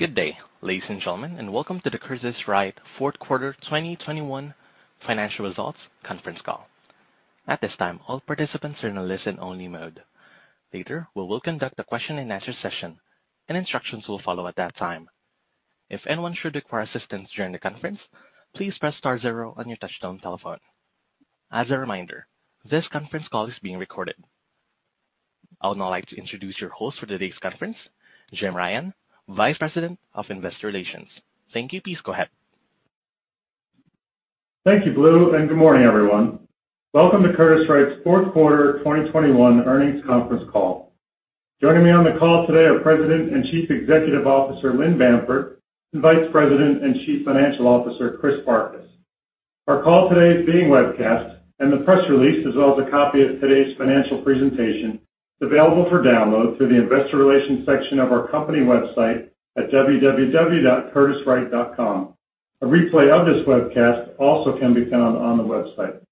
Good day, ladies and gentlemen, and welcome to the Curtiss-Wright Q4 2021 financial results conference call. At this time, all participants are in a listen-only mode. Later, we will conduct a question-and-answer session, and instructions will follow at that time. If anyone should require assistance during the conference, please press star zero on your touchtone telephone. As a reminder, this conference call is being recorded. I would now like to introduce your host for today's conference, Jim Ryan, Vice President of Investor Relations. Thank you. Please go ahead. Thank you, Lou, and good morning, everyone. Welcome to Curtiss-Wright's Q4 2021 earnings conference call. Joining me on the call today are President and Chief Executive Officer, Lynn Bamford, and Vice President and Chief Financial Officer, Chris Farkas. Our call today is being webcast, and the press release as well as a copy of today's financial presentation is available for download through the investor relations section of our company website at www.curtisswright.com. A replay of this webcast also can be found on the website.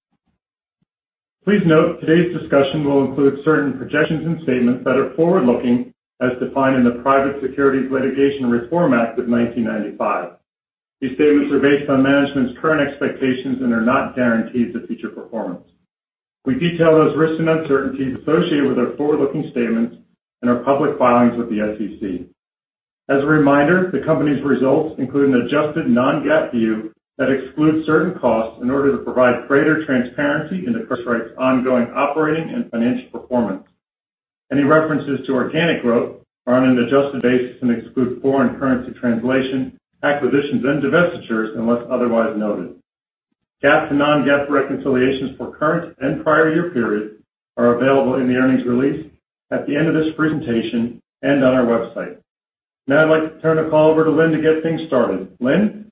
Please note, today's discussion will include certain projections and statements that are forward-looking, as defined in the Private Securities Litigation Reform Act of 1995. These statements are based on management's current expectations and are not guarantees of future performance. We detail those risks and uncertainties associated with our forward-looking statements in our public filings with the SEC. As a reminder, the company's results include an adjusted non-GAAP view that excludes certain costs in order to provide greater transparency into Curtiss-Wright's ongoing operating and financial performance. Any references to organic growth are on an adjusted basis and exclude foreign currency translation, acquisitions, and divestitures, unless otherwise noted. GAAP to non-GAAP reconciliations for current and prior year period are available in the earnings release at the end of this presentation and on our website. Now I'd like to turn the call over to Lynn to get things started. Lynn?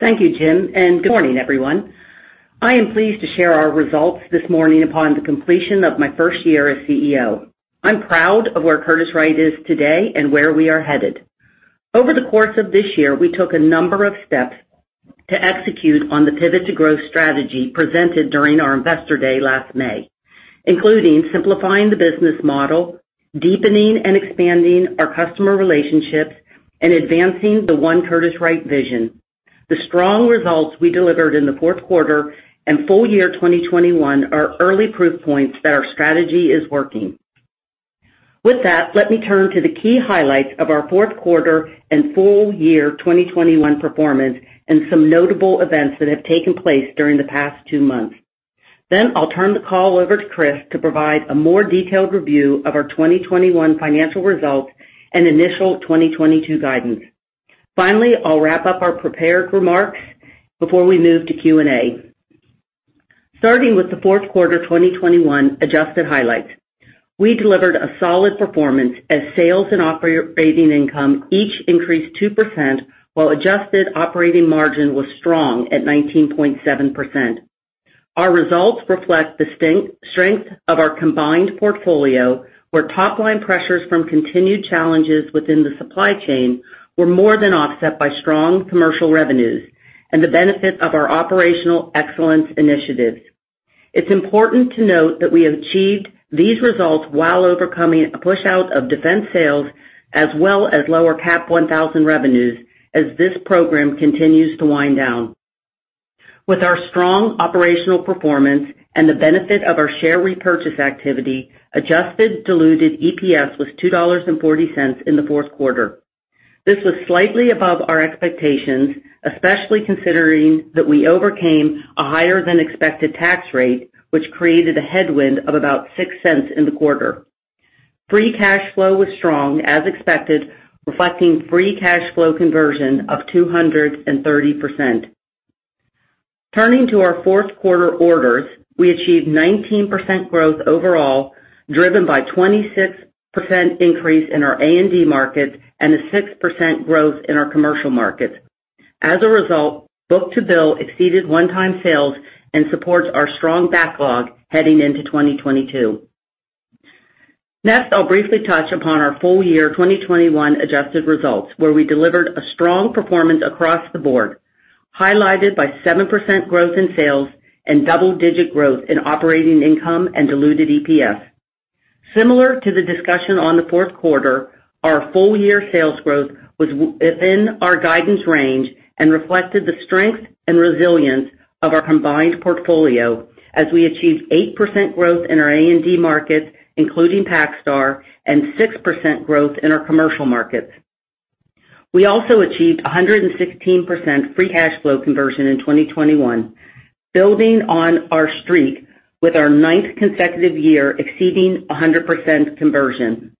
Thank you, Jim, and good morning, everyone. I am pleased to share our results this morning upon the completion of my first year as CEO. I'm proud of where Curtiss-Wright is today and where we are headed. Over the course of this year, we took a number of steps to execute on the Pivot to Growth strategy presented during our Investor Day last May, including simplifying the business model, deepening and expanding our customer relationships, and advancing the one Curtiss-Wright vision. The strong results we delivered in the Q4 and full year 2021 are early proof points that our strategy is working. With that, let me turn to the key highlights of our Q4 and full year 2021 performance and some notable events that have taken place during the past two months. I'll turn the call over to Chris to provide a more detailed review of our 2021 financial results and initial 2022 guidance. Finally, I'll wrap up our prepared remarks before we move to Q&A. Starting with the Q4 2021 adjusted highlights. We delivered a solid performance as sales and operating income each increased 2%, while adjusted operating margin was strong at 19.7%. Our results reflect strength of our combined portfolio, where top-line pressures from continued challenges within the supply chain were more than offset by strong commercial revenues and the benefit of our operational excellence initiatives. It's important to note that we have achieved these results while overcoming a pushout of defense sales as well as lower AP 1000 revenues as this program continues to wind down. With our strong operational performance and the benefit of our share repurchase activity, adjusted diluted EPS was $2.40 in the Q4. This was slightly above our expectations, especially considering that we overcame a higher-than-expected tax rate, which created a headwind of about $0.06 in the quarter. Free cash flow was strong, as expected, reflecting free cash flow conversion of 230%. Turning to our Q4 orders, we achieved 19% growth overall, driven by 26% increase in our A&D markets and a 6% growth in our commercial markets. As a result, book-to-bill exceeded 1x sales and supports our strong backlog heading into 2022. Next, I'll briefly touch upon our full year 2021 adjusted results, where we delivered a strong performance across the board, highlighted by 7% growth in sales and double-digit growth in operating income and diluted EPS. Similar to the discussion on the Q4, our full-year sales growth was within our guidance range and reflected the strength and resilience of our combined portfolio as we achieved 8% growth in our A&D markets, including PacStar, and 6% growth in our commercial markets. We also achieved 116% free cash flow conversion in 2021, building on our streak with our ninth consecutive year exceeding 100% conversion.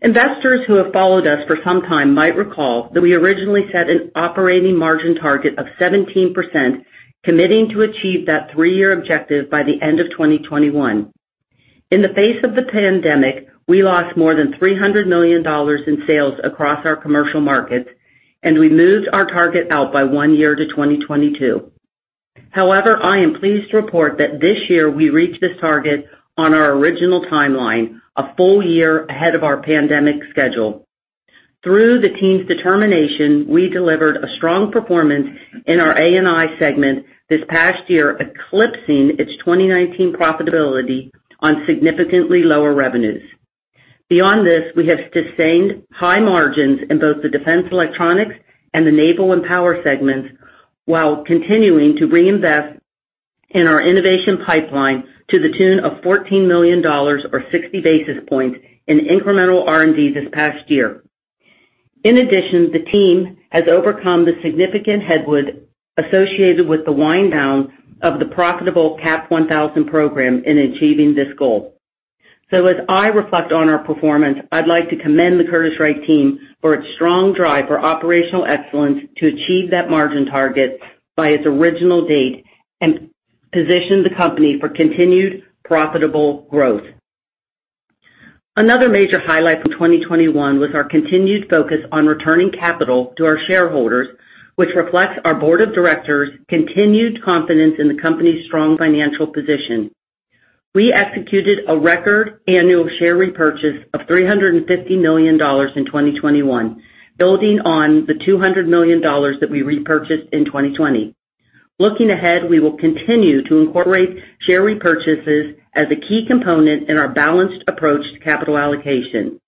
Investors who have followed us for some time might recall that we originally set an operating margin target of 17%, committing to achieve that three-year objective by the end of 2021. In the face of the pandemic, we lost more than $300 million in sales across our commercial markets, and we moved our target out by 1 year to 2022. However, I am pleased to report that this year we reached this target on our original timeline, a full year ahead of our pandemic schedule. Through the team's determination, we delivered a strong performance in our A&I segment this past year, eclipsing its 2019 profitability on significantly lower revenues. Beyond this, we have sustained high margins in both the defense electronics and the naval and power segments, while continuing to reinvest in our innovation pipeline to the tune of $14 million or 60 basis points in incremental R&D this past year. In addition, the team has overcome the significant headwind associated with the wind down of the profitable AP1000 program in achieving this goal. As I reflect on our performance, I'd like to commend the Curtiss-Wright team for its strong drive for operational excellence to achieve that margin target by its original date and position the company for continued profitable growth. Another major highlight from 2021 was our continued focus on returning capital to our shareholders, which reflects our board of directors' continued confidence in the company's strong financial position. We executed a record annual share repurchase of $350 million in 2021, building on the $200 million that we repurchased in 2020. Looking ahead, we will continue to incorporate share repurchases as a key component in our balanced approach to capital allocation.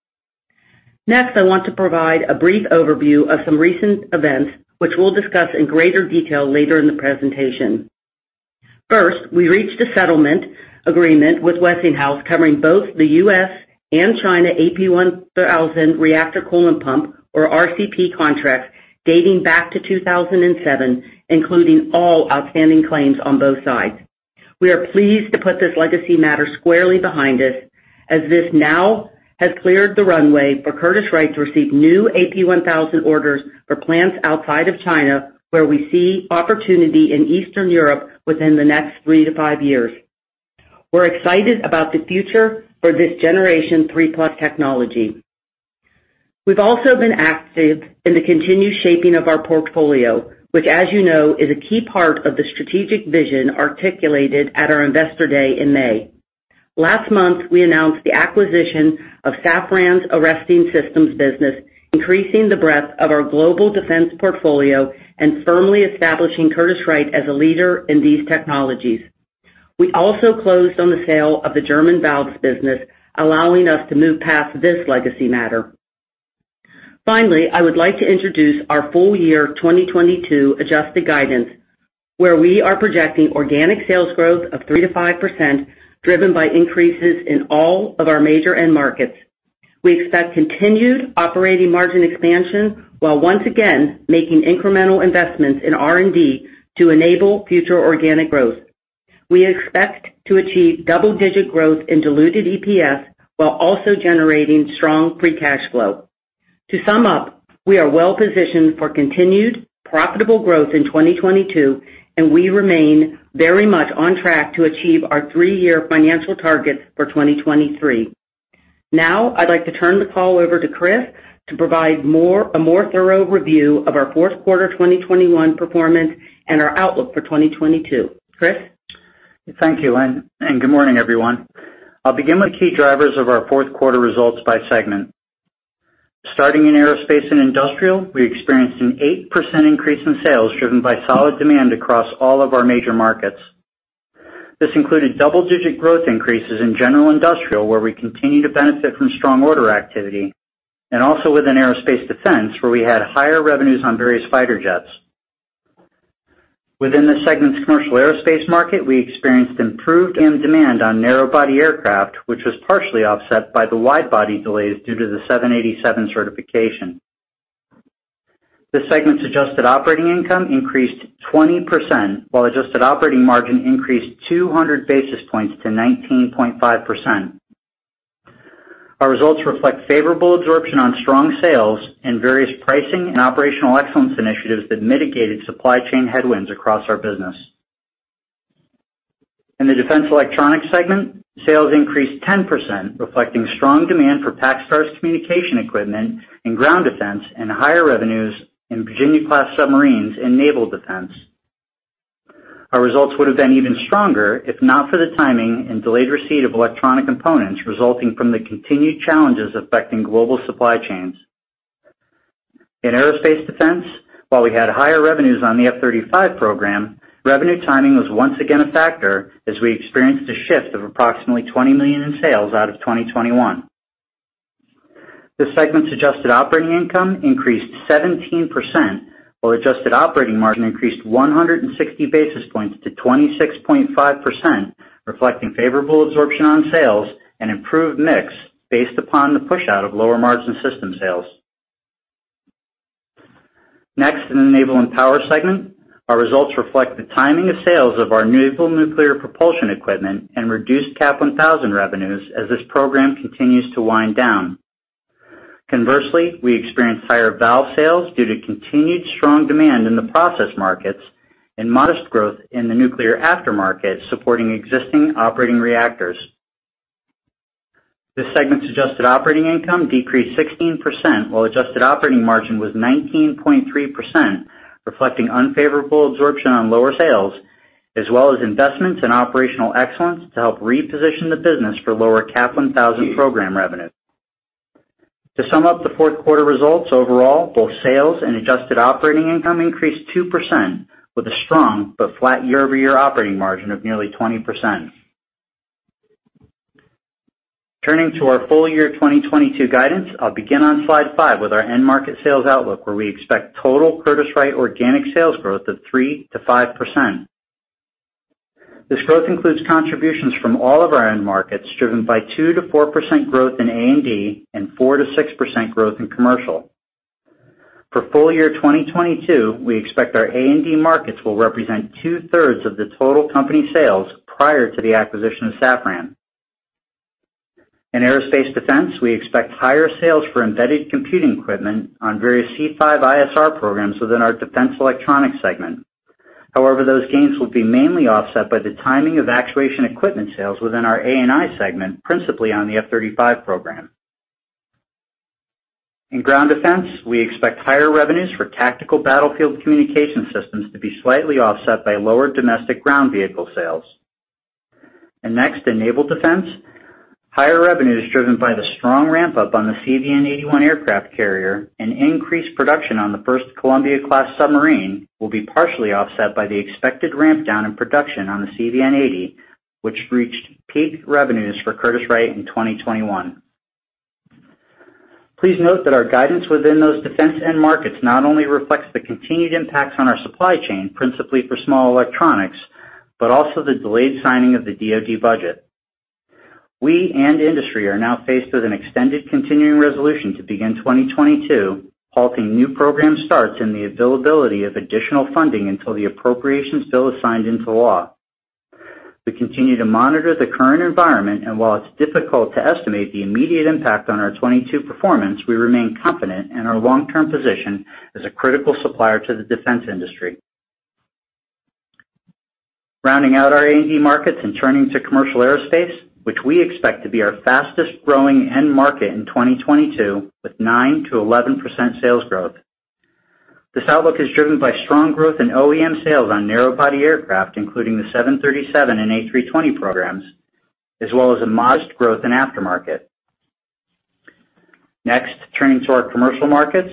Next, I want to provide a brief overview of some recent events, which we'll discuss in greater detail later in the presentation. First, we reached a settlement agreement with Westinghouse covering both the U.S. and China AP1000 reactor coolant pump or RCP contracts dating back to 2007, including all outstanding claims on both sides. We are pleased to put this legacy matter squarely behind us, as this now has cleared the runway for Curtiss-Wright to receive new AP1000 orders for plants outside of China, where we see opportunity in Eastern Europe within the next 3-5 years. We're excited about the future for this Generation 3+ technology. We've also been active in the continued shaping of our portfolio, which as you know, is a key part of the strategic vision articulated at our Investor Day in May. Last month, we announced the acquisition of Safran's Arresting Systems business, increasing the breadth of our global defense portfolio and firmly establishing Curtiss-Wright as a leader in these technologies. We also closed on the sale of the German Valves business, allowing us to move past this legacy matter. Finally, I would like to introduce our full year 2022 adjusted guidance, where we are projecting organic sales growth of 3%-5%, driven by increases in all of our major end markets. We expect continued operating margin expansion, while once again, making incremental investments in R&D to enable future organic growth. We expect to achieve double-digit growth in diluted EPS while also generating strong free cash flow. To sum up, we are well positioned for continued profitable growth in 2022, and we remain very much on track to achieve our three-year financial targets for 2023. Now, I'd like to turn the call over to Chris to provide a more thorough review of our Q4 2021 performance and our outlook for 2022. Chris? Thank you, Lynn, and good morning, everyone. I'll begin with key drivers of our Q4 results by segment. Starting in Aerospace and Industrial, we experienced an 8% increase in sales driven by solid demand across all of our major markets. This included double-digit growth increases in general industrial, where we continue to benefit from strong order activity, and also within aerospace defense, where we had higher revenues on various fighter jets. Within the segment's commercial aerospace market, we experienced improved end demand on narrow body aircraft, which was partially offset by the wide body delays due to the 787 certification. The segment's adjusted operating income increased 20%, while adjusted operating margin increased 200 basis points to 19.5%. Our results reflect favorable absorption on strong sales and various pricing and operational excellence initiatives that mitigated supply chain headwinds across our business. In the defense electronics segment, sales increased 10%, reflecting strong demand for PacStar's communication equipment in ground defense and higher revenues in Virginia-class submarines in naval defense. Our results would have been even stronger if not for the timing and delayed receipt of electronic components resulting from the continued challenges affecting global supply chains. In aerospace defense, while we had higher revenues on the F-35 program, revenue timing was once again a factor as we experienced a shift of approximately $20 million in sales out of 2021. The segment's adjusted operating income increased 17%, while adjusted operating margin increased 160 basis points to 26.5%, reflecting favorable absorption on sales and improved mix based upon the push out of lower margin system sales. Next, in the naval and power segment, our results reflect the timing of sales of our naval nuclear propulsion equipment and reduced AP1000 revenues as this program continues to wind down. Conversely, we experienced higher valve sales due to continued strong demand in the process markets and modest growth in the nuclear aftermarket, supporting existing operating reactors. This segment's adjusted operating income decreased 16%, while adjusted operating margin was 19.3%, reflecting unfavorable absorption on lower sales, as well as investments in operational excellence to help reposition the business for lower AP1000 program revenue. To sum up the Q4 results overall, both sales and adjusted operating income increased 2% with a strong but flat year-over-year operating margin of nearly 20%. Turning to our full year 2022 guidance, I'll begin on slide 5 with our end market sales outlook, where we expect total Curtiss-Wright organic sales growth of 3%-5%. This growth includes contributions from all of our end markets, driven by 2%-4% growth in A&D and 4%-6% growth in commercial. For full year 2022, we expect our A&D markets will represent 2/3 of the total company sales prior to the acquisition of Safran. In Aerospace & Defense, we expect higher sales for embedded computing equipment on various C5ISR programs within our defense electronics segment. However, those gains will be mainly offset by the timing of actuation equipment sales within our A&I segment, principally on the F-35 program. In ground defense, we expect higher revenues for tactical battlefield communication systems to be slightly offset by lower domestic ground vehicle sales. Next, in naval defense, higher revenues driven by the strong ramp-up on the CVN-81 aircraft carrier and increased production on the first Columbia-class submarine will be partially offset by the expected ramp down in production on the CVN-80, which reached peak revenues for Curtiss-Wright in 2021. Please note that our guidance within those defense end markets not only reflects the continued impacts on our supply chain, principally for small electronics, but also the delayed signing of the DoD budget. We and the industry are now faced with an extended continuing resolution to begin 2022, halting new program starts and the availability of additional funding until the appropriation bill is signed into law. We continue to monitor the current environment, and while it's difficult to estimate the immediate impact on our 2022 performance, we remain confident in our long-term position as a critical supplier to the defense industry. Rounding out our A&D markets and turning to commercial aerospace, which we expect to be our fastest-growing end market in 2022 with 9%-11% sales growth. This outlook is driven by strong growth in OEM sales on narrow-body aircraft, including the 737 and A320 programs, as well as a modest growth in aftermarket. Next, turning to our commercial markets.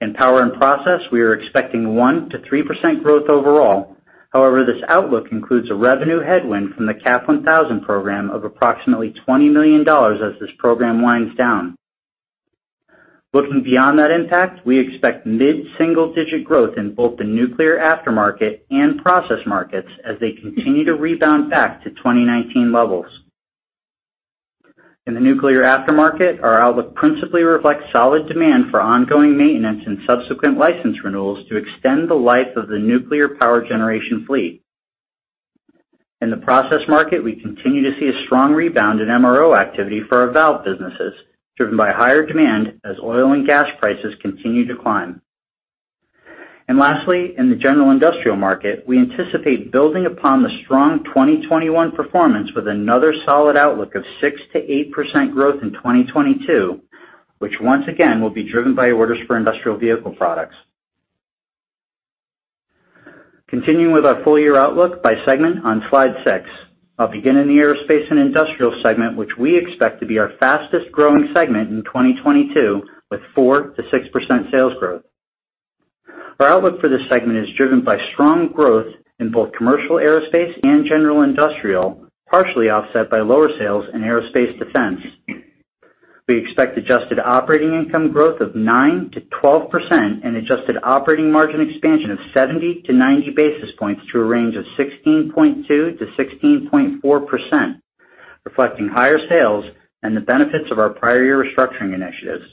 In power and process, we are expecting 1%-3% growth overall. However, this outlook includes a revenue headwind from the Kaplan thousand program of approximately $20 million as this program winds down. Looking beyond that impact, we expect mid-single-digit growth in both the nuclear aftermarket and process markets as they continue to rebound back to 2019 levels. In the nuclear aftermarket, our outlook principally reflects solid demand for ongoing maintenance and subsequent license renewals to extend the life of the nuclear power generation fleet. In the process market, we continue to see a strong rebound in MRO activity for our valve businesses, driven by higher demand as oil and gas prices continue to climb. Lastly, in the general industrial market, we anticipate building upon the strong 2021 performance with another solid outlook of 6%-8% growth in 2022, which once again will be driven by orders for industrial vehicle products. Continuing with our full-year outlook by segment on slide six. I'll begin in the aerospace and industrial segment, which we expect to be our fastest-growing segment in 2022 with 4%-6% sales growth. Our outlook for this segment is driven by strong growth in both commercial aerospace and general industrial, partially offset by lower sales in aerospace defense. We expect adjusted operating income growth of 9%-12% and adjusted operating margin expansion of 70-90 basis points to a range of 16.2%-16.4%, reflecting higher sales and the benefits of our prior year restructuring initiatives.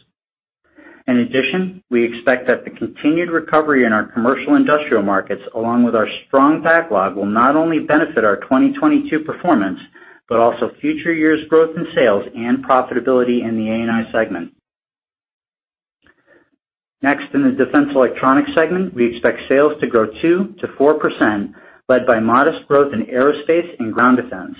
In addition, we expect that the continued recovery in our commercial industrial markets, along with our strong backlog, will not only benefit our 2022 performance, but also future years' growth in sales and profitability in the A&I segment. Next, in the defense electronics segment, we expect sales to grow 2%-4%, led by modest growth in aerospace and ground defense.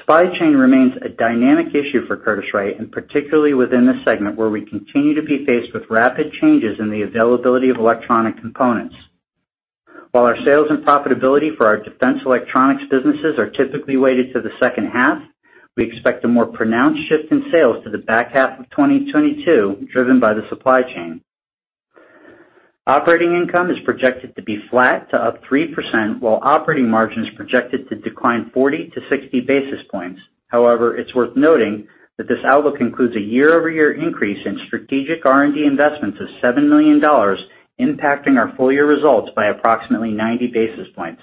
Supply chain remains a dynamic issue for Curtiss-Wright, and particularly within this segment, where we continue to be faced with rapid changes in the availability of electronic components. While our sales and profitability for our defense electronics businesses are typically weighted to the second half, we expect a more pronounced shift in sales to the back half of 2022, driven by the supply chain. Operating income is projected to be flat to up 3%, while operating margin is projected to decline 40-60 basis points. However, it's worth noting that this outlook includes a year-over-year increase in strategic R&D investments of $7 million, impacting our full-year results by approximately 90 basis points.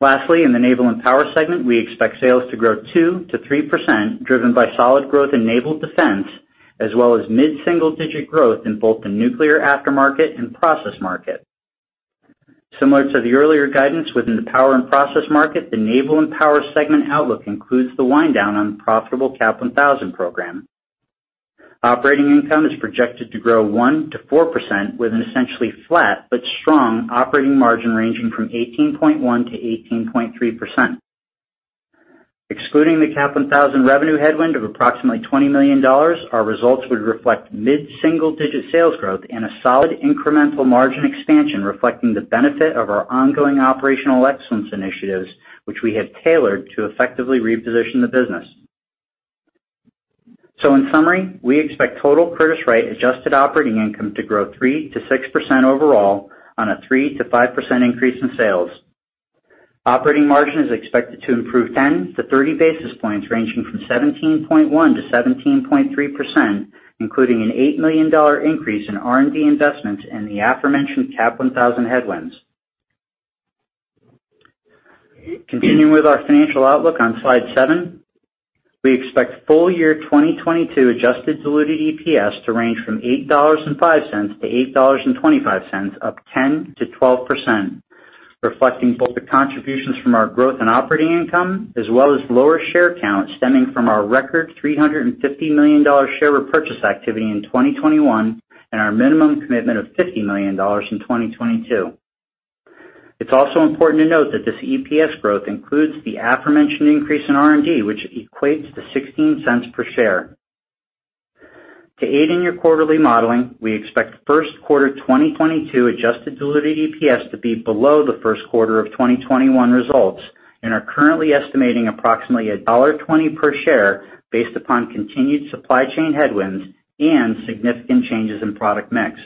Lastly, in the naval and power segment, we expect sales to grow 2%-3%, driven by solid growth in naval defense, as well as mid-single-digit growth in both the nuclear aftermarket and process market. Similar to the earlier guidance within the power and process market, the naval and power segment outlook includes the wind down on the profitable Kaplan 1000 program. Operating income is projected to grow 1%-4% with an essentially flat but strong operating margin ranging from 18.1%-18.3%. Excluding the Kaplan thousand revenue headwind of approximately $20 million, our results would reflect mid-single-digit sales growth and a solid incremental margin expansion reflecting the benefit of our ongoing operational excellence initiatives, which we have tailored to effectively reposition the business. In summary, we expect total Curtiss-Wright adjusted operating income to grow 3%-6% overall on a 3%-5% increase in sales. Operating margin is expected to improve 10-30 basis points, ranging from 17.1%-17.3%, including an $8 million increase in R&D investments and the aforementioned CAP one thousand headwinds. Continuing with our financial outlook on slide seven, we expect full year 2022 adjusted diluted EPS to range from $8.05-$8.25, up 10%-12%, reflecting both the contributions from our growth and operating income, as well as lower share count stemming from our record $350 million share repurchase activity in 2021 and our minimum commitment of $50 million in 2022. It's also important to note that this EPS growth includes the aforementioned increase in R&D, which equates to $0.16 per share. To aid in your quarterly modeling, we expect Q1 2022 adjusted diluted EPS to be below the Q1 of 2021 results, and are currently estimating approximately $1.20 per share based upon continued supply chain headwinds and significant changes in product mix.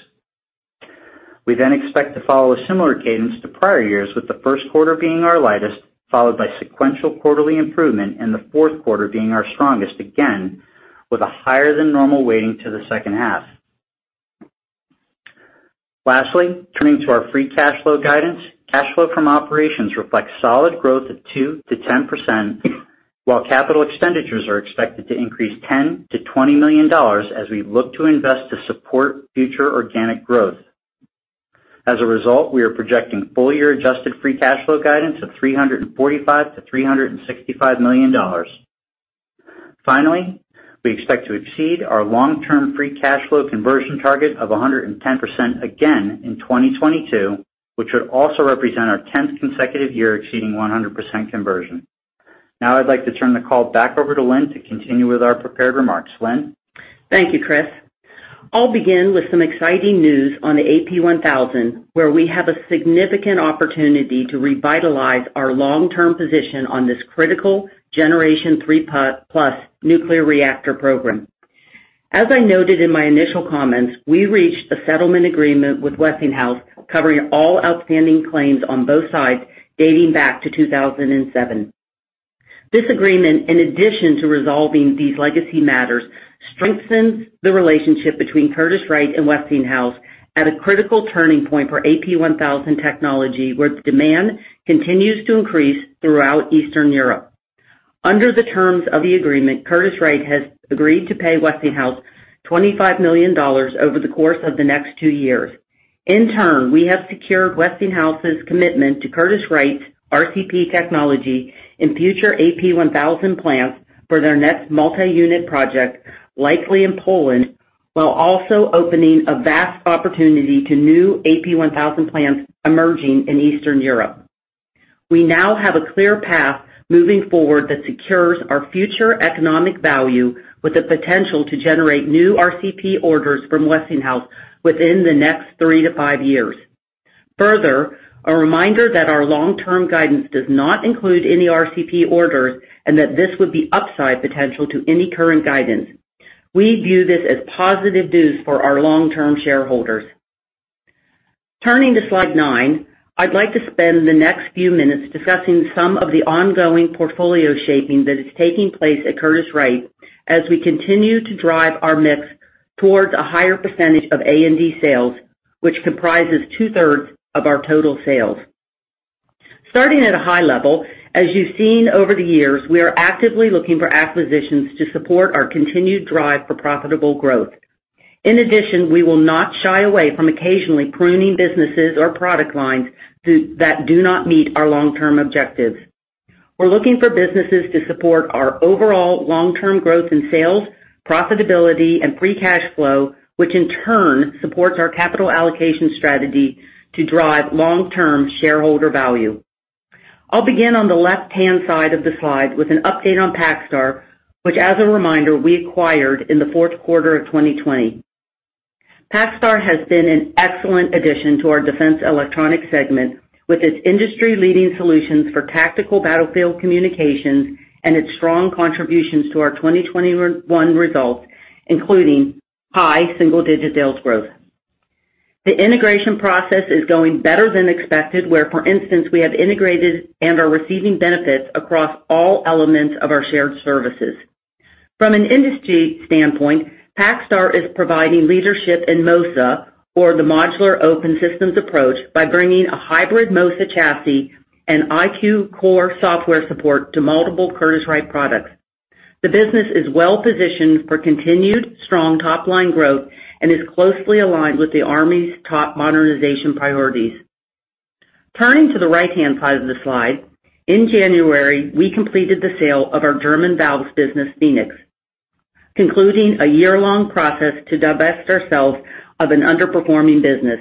We then expect to follow a similar cadence to prior years, with the Q1 being our lightest, followed by sequential quarterly improvement and the Q4 being our strongest, again, with a higher than normal weighting to the second half. Lastly, turning to our free cash flow guidance. Cash flow from operations reflects solid growth of 2%-10%, while capital expenditures are expected to increase $10 million-$20 million as we look to invest to support future organic growth. As a result, we are projecting full year adjusted free cash flow guidance of $345 million-$365 million. Finally, we expect to exceed our long-term free cash flow conversion target of 110% again in 2022, which would also represent our tenth consecutive year exceeding 100% conversion. Now I'd like to turn the call back over to Lynn to continue with our prepared remarks. Lynn? Thank you, Chris. I'll begin with some exciting news on the AP1000, where we have a significant opportunity to revitalize our long-term position on this critical Generation three plus nuclear reactor program. As I noted in my initial comments, we reached a settlement agreement with Westinghouse covering all outstanding claims on both sides dating back to 2007. This agreement, in addition to resolving these legacy matters, strengthens the relationship between Curtiss-Wright and Westinghouse at a critical turning point for AP1000 technology, where demand continues to increase throughout Eastern Europe. Under the terms of the agreement, Curtiss-Wright has agreed to pay Westinghouse $25 million over the course of the next two years. In turn, we have secured Westinghouse's commitment to Curtiss-Wright's RCP technology in future AP1000 plants for their next multi-unit project, likely in Poland, while also opening a vast opportunity to new AP1000 plants emerging in Eastern Europe. We now have a clear path moving forward that secures our future economic value with the potential to generate new RCP orders from Westinghouse within the next 3-5 years. Further, a reminder that our long-term guidance does not include any RCP orders and that this would be upside potential to any current guidance. We view this as positive news for our long-term shareholders. Turning to slide nine, I'd like to spend the next few minutes discussing some of the ongoing portfolio shaping that is taking place at Curtiss-Wright as we continue to drive our mix towards a higher percentage of A&D sales, which comprises two-thirds of our total sales. Starting at a high level, as you've seen over the years, we are actively looking for acquisitions to support our continued drive for profitable growth. In addition, we will not shy away from occasionally pruning businesses or product lines that do not meet our long-term objectives. We're looking for businesses to support our overall long-term growth in sales, profitability, and free cash flow, which in turn supports our capital allocation strategy to drive long-term shareholder value. I'll begin on the left-hand side of the slide with an update on PacStar, which as a reminder, we acquired in the Q4 of 2020. PacStar has been an excellent addition to our Defense Electronics segment with its industry-leading solutions for tactical battlefield communications and its strong contributions to our 2021 results, including high single-digit sales growth. The integration process is going better than expected, where, for instance, we have integrated and are receiving benefits across all elements of our shared services. From an industry standpoint, PacStar is providing leadership in MOSA, or the Modular Open Systems Approach, by bringing a hybrid MOSA chassis and IQ-Core Software software support to multiple Curtiss-Wright products. The business is well positioned for continued strong top-line growth and is closely aligned with the Army's top modernization priorities. Turning to the right-hand side of the slide, in January, we completed the sale of our German valves business, Phönix, concluding a year-long process to divest ourselves of an underperforming business.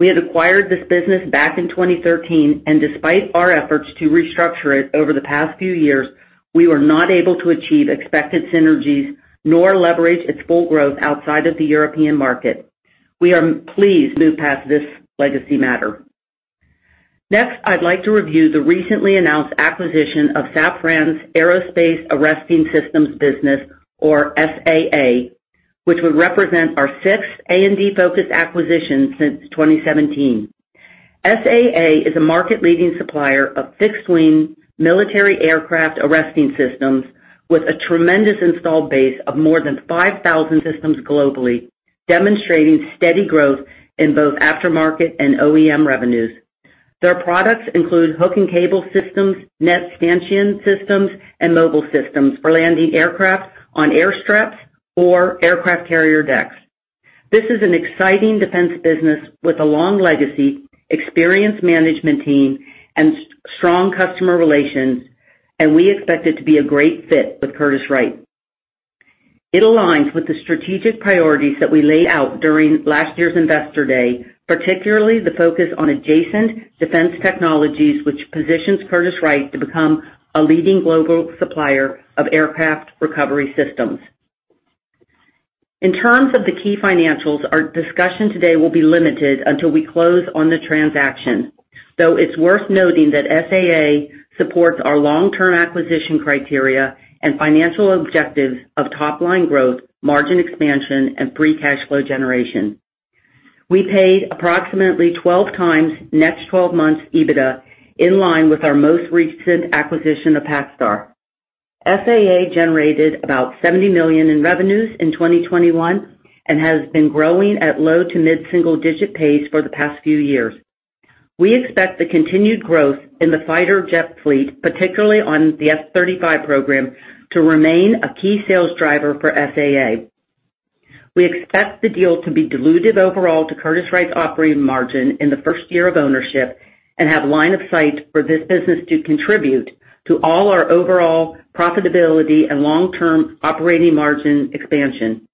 We had acquired this business back in 2013, and despite our efforts to restructure it over the past few years, we were not able to achieve expected synergies nor leverage its full growth outside of the European market. We are pleased to move past this legacy matter. Next, I'd like to review the recently announced acquisition of Safran's Aerosystems Arresting Systems business, or SAA, which would represent our sixth A&D-focused acquisition since 2017. SAA is a market-leading supplier of fixed-wing military aircraft arresting systems with a tremendous installed base of more than 5,000 systems globally, demonstrating steady growth in both aftermarket and OEM revenues. Their products include hook and cable systems, net stanchion systems, and mobile systems for landing aircraft on airstrips or aircraft carrier decks. This is an exciting defense business with a long legacy, experienced management team, and strong customer relations, and we expect it to be a great fit with Curtiss-Wright. It aligns with the strategic priorities that we laid out during last year's Investor Day, particularly the focus on adjacent defense technologies, which positions Curtiss-Wright to become a leading global supplier of aircraft recovery systems. In terms of the key financials, our discussion today will be limited until we close on the transaction, though it's worth noting that SAA supports our long-term acquisition criteria and financial objectives of top line growth, margin expansion, and free cash flow generation. We paid approximately 12x next twelve months EBITDA, in line with our most recent acquisition of PacStar. SAA generated about $70 million in revenues in 2021 and has been growing at low- to mid-single-digit pace for the past few years. We expect the continued growth in the fighter jet fleet, particularly on the F-35 program, to remain a key sales driver for SAA. We expect the deal to be dilutive overall to Curtiss-Wright's operating margin in the first year of ownership and have line of sight for this business to contribute to all our overall profitability and long-term operating margin expansion.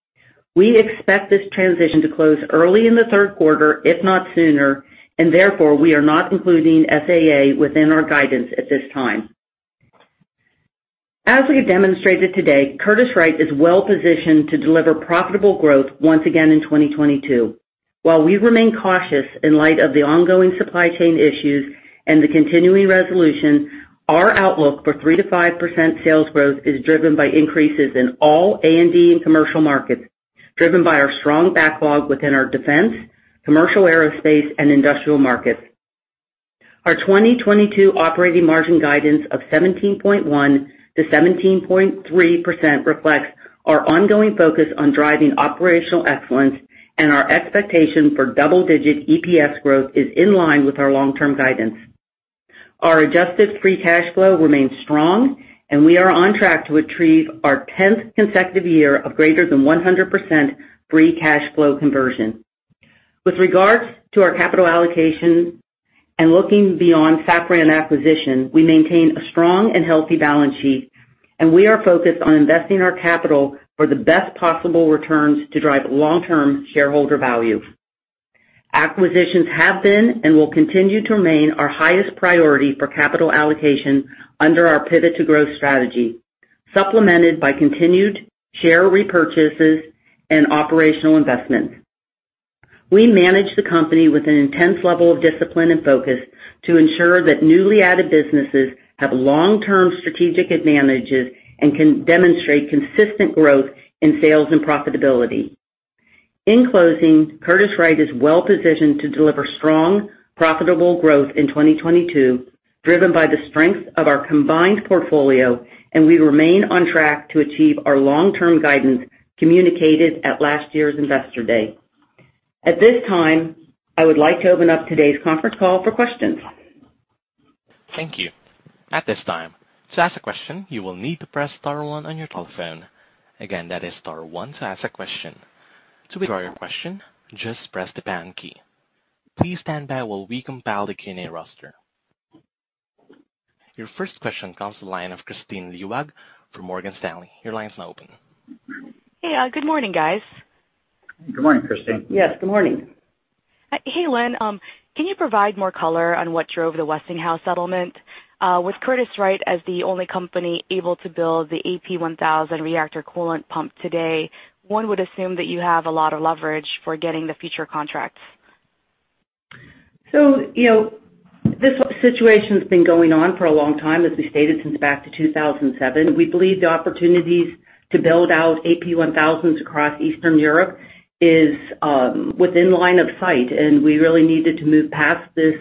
We expect this transition to close early in the Q3, if not sooner, and therefore, we are not including SAA within our guidance at this time. As we have demonstrated today, Curtiss-Wright is well-positioned to deliver profitable growth once again in 2022. While we remain cautious in light of the ongoing supply chain issues and the continuing resolution, our outlook for 3%-5% sales growth is driven by increases in all A&D and commercial markets, driven by our strong backlog within our defense, commercial aerospace, and industrial markets. Our 2022 operating margin guidance of 17.1%-17.3% reflects our ongoing focus on driving operational excellence, and our expectation for double-digit EPS growth is in line with our long-term guidance. Our adjusted free cash flow remains strong, and we are on track to achieve our 10th consecutive year of greater than 100% free cash flow conversion. With regards to our capital allocation and looking beyond Safran acquisition, we maintain a strong and healthy balance sheet, and we are focused on investing our capital for the best possible returns to drive long-term shareholder value. Acquisitions have been and will continue to remain our highest priority for capital allocation under our Pivot to Growth strategy, supplemented by continued share repurchases and operational investments. We manage the company with an intense level of discipline and focus to ensure that newly added businesses have long-term strategic advantages and can demonstrate consistent growth in sales and profitability. In closing, Curtiss-Wright is well-positioned to deliver strong, profitable growth in 2022, driven by the strength of our combined portfolio, and we remain on track to achieve our long-term guidance communicated at last year's Investor Day. At this time, I would like to open up today's conference call for questions. Thank you. At this time, to ask a question, you will need to press star one on your telephone. Again, that is star one to ask a question. To withdraw your question, just press the pound key. Please stand by while we compile the Q&A roster. Your first question comes from the line of Kristine Liwag from Morgan Stanley. Your line's now open. Hey, good morning, guys. Good morning, Kristine. Yes, good morning. Hey, Lynn. Can you provide more color on what drove the Westinghouse settlement? With Curtiss-Wright as the only company able to build the AP1000 reactor coolant pump today, one would assume that you have a lot of leverage for getting the future contracts. You know, this situation's been going on for a long time, as we stated, since back to 2007. We believe the opportunities to build out AP1000s across Eastern Europe is within line of sight, and we really needed to move past this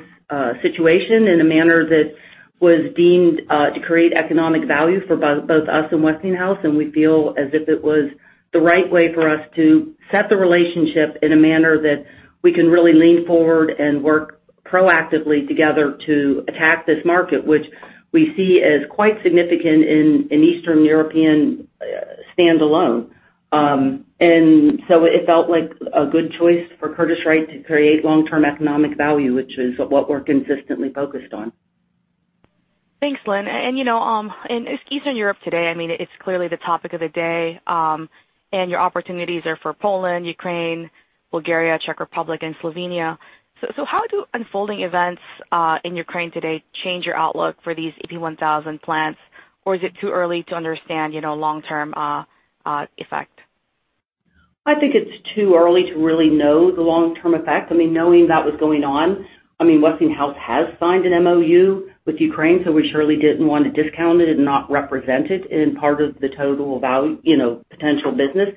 situation in a manner that was deemed to create economic value for both us and Westinghouse. We feel as if it was the right way for us to set the relationship in a manner that we can really lean forward and work proactively together to attack this market, which we see as quite significant in Eastern European standalone. It felt like a good choice for Curtiss-Wright to create long-term economic value, which is what we're consistently focused on. Thanks, Lynn. You know, in Eastern Europe today, I mean, it's clearly the topic of the day, and your opportunities are for Poland, Ukraine, Bulgaria, Czech Republic, and Slovenia. How do unfolding events in Ukraine today change your outlook for these AP1000 plants, or is it too early to understand, you know, long-term effect? I think it's too early to really know the long-term effect. I mean, knowing that was going on, Westinghouse has signed an MOU with Ukraine, so we surely didn't wanna discount it and not represent it in part of the total value, you know, potential business.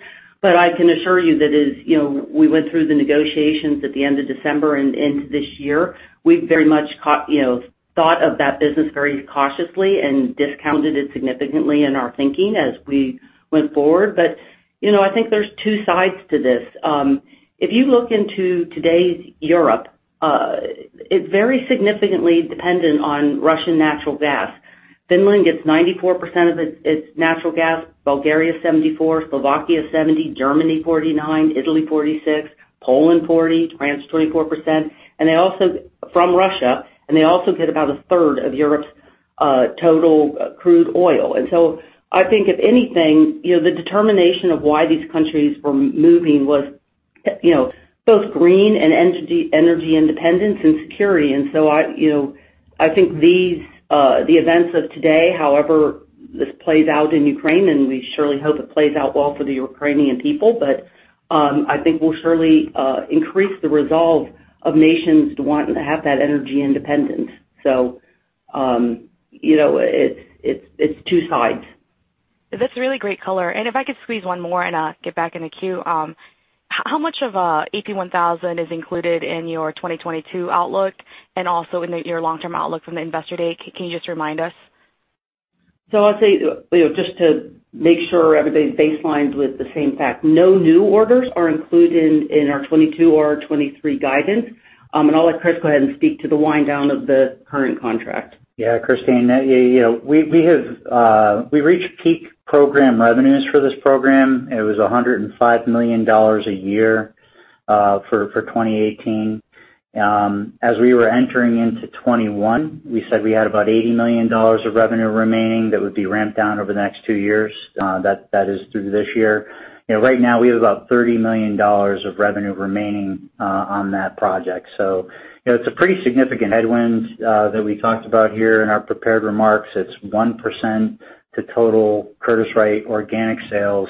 I can assure you that as, you know, we went through the negotiations at the end of December and into this year, we very much, you know, thought of that business very cautiously and discounted it significantly in our thinking as we went forward. You know, I think there's two sides to this. If you look into today's Europe, it's very significantly dependent on Russian natural gas. Finland gets 94% of its natural gas, Bulgaria 74, Slovakia 70, Germany 49, Italy 46, Poland 40, France 24%, and they also get about a third of Europe's total crude oil. I think if anything, you know, the determination of why these countries were moving was, you know, both green and energy independence and security. I think these, the events of today, however this plays out in Ukraine, and we surely hope it plays out well for the Ukrainian people, but I think will surely increase the resolve of nations to want to have that energy independence. You know, it's two sides. That's really great color. If I could squeeze one more in and get back in the queue. How much of AP1000 is included in your 2022 outlook and also in your long-term outlook from the Investor Day? Can you just remind us? I'll say, you know, just to make sure everybody's baselined with the same fact, no new orders are included in our 2022 or our 2023 guidance. I'll let Chris go ahead and speak to the wind down of the current contract. Yeah, Kristine, that you know we have reached peak program revenues for this program. It was $105 million a year for 2018. As we were entering into 2021, we said we had about $80 million of revenue remaining that would be ramped down over the next two years, that is through this year. You know, right now we have about $30 million of revenue remaining on that project. You know, it's a pretty significant headwind that we talked about here in our prepared remarks. It's 1% of total Curtiss-Wright organic sales.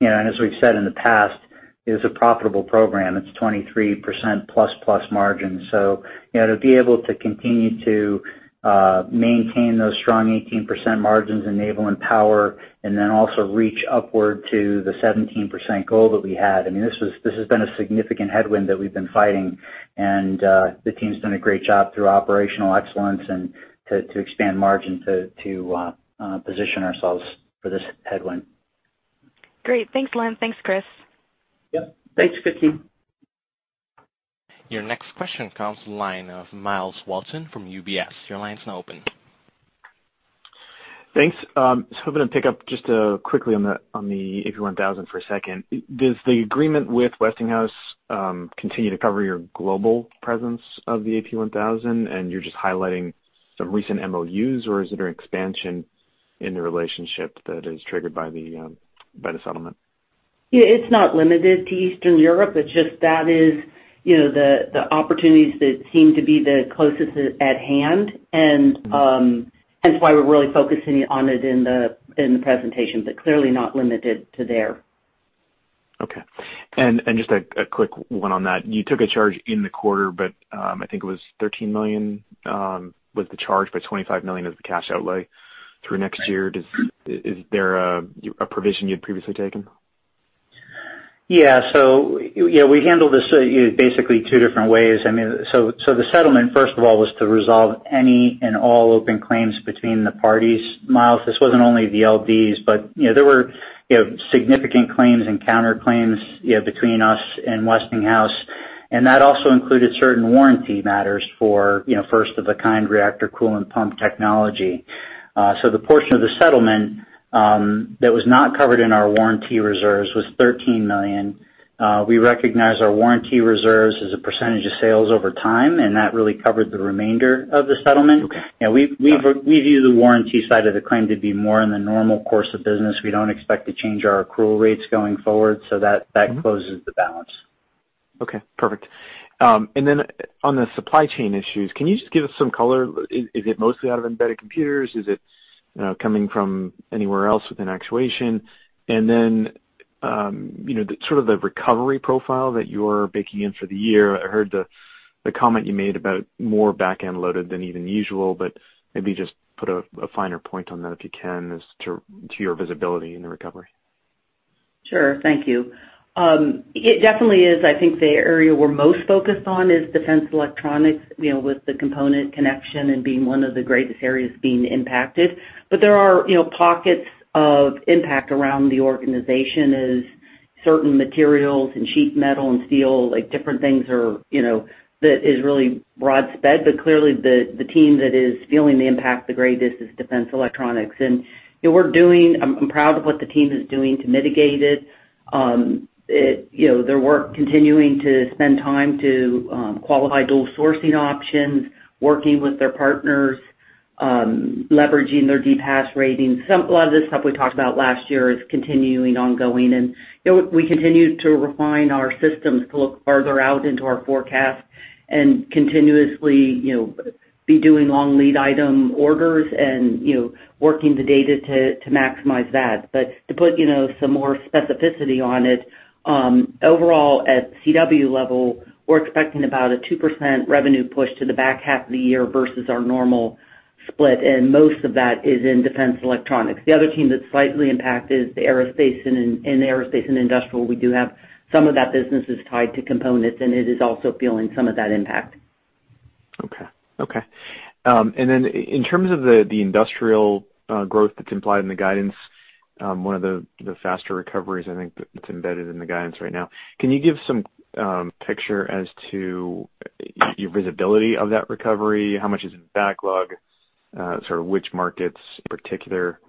You know, as we've said in the past, it is a profitable program. It's 23%+ margin. You know, to be able to continue to maintain those strong 18% margins in Naval and Power, and then also reach upward to the 17% goal that we had. I mean, this has been a significant headwind that we've been fighting, and the team's done a great job through operational excellence and to position ourselves for this headwind. Great. Thanks, Lynn. Thanks, Chris. Yep. Thanks, Kristine. Your next question comes from the line of Myles Walton from UBS. Your line is now open. Thanks. I'm gonna pick up just quickly on the AP1000 for a second. Does the agreement with Westinghouse continue to cover your global presence of the AP1000, and you're just highlighting some recent MOUs, or is there an expansion in the relationship that is triggered by the settlement? Yeah, it's not limited to Eastern Europe. It's just that is, you know, the opportunities that seem to be the closest at hand. Hence why we're really focusing on it in the presentation, but clearly not limited to there. Okay. Just a quick one on that. You took a charge in the quarter, but I think it was $13 million, was the charge, but $25 million is the cash outlay through next year. Is there a provision you had previously taken? We handle this basically two different ways. The settlement, first of all, was to resolve any and all open claims between the parties, Myles. This wasn't only the LDs, but there were significant claims and counterclaims between us and Westinghouse, and that also included certain warranty matters for first of a kind reactor coolant pump technology. The portion of the settlement that was not covered in our warranty reserves was $13 million. We recognize our warranty reserves as a percentage of sales over time, and that really covered the remainder of the settlement. Okay. You know, we view the warranty side of the claim to be more in the normal course of business. We don't expect to change our accrual rates going forward, so that closes the balance. Okay. Perfect. On the supply chain issues, can you just give us some color? Is it mostly out of embedded computers? Is it, you know, coming from anywhere else within actuation? You know, the sort of recovery profile that you're baking in for the year, I heard the comment you made about more back-end loaded than even usual, but maybe just put a finer point on that if you can as to your visibility in the recovery? Sure. Thank you. It definitely is. I think the area we're most focused on is defense electronics, you know, with the component constraints and being one of the greatest areas being impacted. There are, you know, pockets of impact around the organization as certain materials and sheet metal and steel, like different things are, you know, that is really broad spread. Clearly the team that is feeling the impact the greatest is defense electronics. You know, I'm proud of what the team is doing to mitigate it. It, you know, they're working, continuing to spend time to qualify dual sourcing options, working with their partners. Leveraging their DPAS ratings. A lot of this stuff we talked about last year is continuing, ongoing, and, you know, we continue to refine our systems to look further out into our forecast and continuously, you know, be doing long lead item orders and, you know, working the data to maximize that. To put, you know, some more specificity on it, overall at CW level, we're expecting about a 2% revenue push to the back half of the year versus our normal split, and most of that is in defense electronics. The other team that's slightly impacted is the aerospace and industrial. We do have some of that business is tied to components, and it is also feeling some of that impact. In terms of the industrial growth that's implied in the guidance, one of the faster recoveries I think that's embedded in the guidance right now, can you give some picture as to your visibility of that recovery? How much is in backlog? Sort of which markets in particular,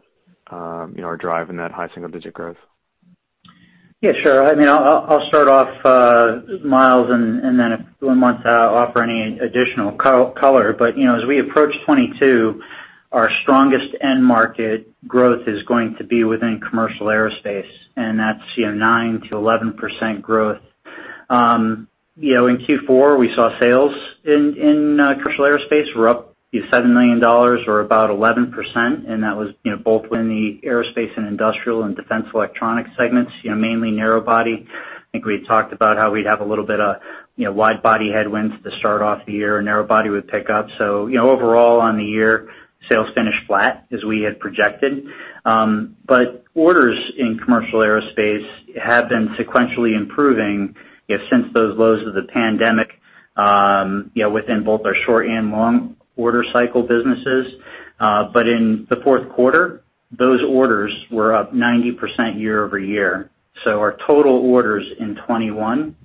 you know, are driving that high single digit growth? Sure. I mean, I'll start off, Myles, and then if Lynn wants to offer any additional color. You know, as we approach 2022, our strongest end market growth is going to be within commercial aerospace, and that's nine to eleven percent growth. In Q4, we saw sales in commercial aerospace were up $7 million or about 11%, and that was both in the aerospace and industrial and defense electronics segments, mainly narrow-body. I think we had talked about how we'd have a little bit of wide-body headwinds to start off the year and narrow-body would pick up. Overall on the year, sales finished flat as we had projected. Orders in commercial aerospace have been sequentially improving, I guess, since those lows of the pandemic, you know, within both our short and long order cycle businesses. In the Q4, those orders were up 90% year-over-year. Our total orders in 2021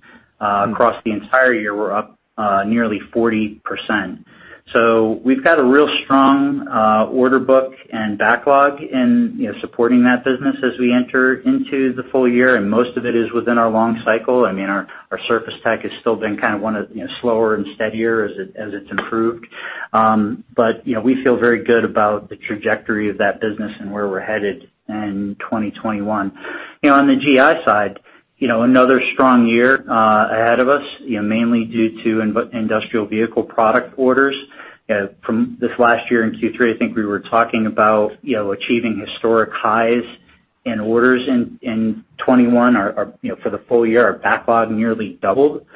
across the entire year were up nearly 40%. We've got a real strong order book and backlog in, you know, supporting that business as we enter into the full year, and most of it is within our long cycle. I mean, our surface tech has still been kind of one of, you know, slower and steadier as it, as it's improved. You know, we feel very good about the trajectory of that business and where we're headed in 2021. You know, on the GI side, you know, another strong year ahead of us, you know, mainly due to industrial vehicle product orders. From this last year in Q3, I think we were talking about, you know, achieving historic highs in orders in 2021. Our, you know, for the full year, our backlog nearly doubled.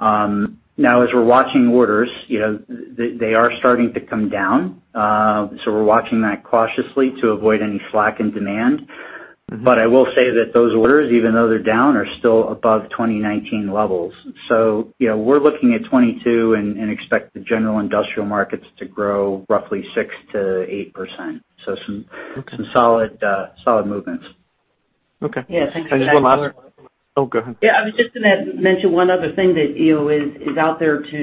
Now as we're watching orders, you know, they are starting to come down. We're watching that cautiously to avoid any slack in demand. I will say that those orders, even though they're down, are still above 2019 levels. You know, we're looking at 2022 and expect the general industrial markets to grow roughly 6%-8%. Some- Okay. Some solid movements. Okay. Yeah, I think. Just one last- Oh, go ahead. Yeah, I was just gonna mention one other thing that, you know, is out there to,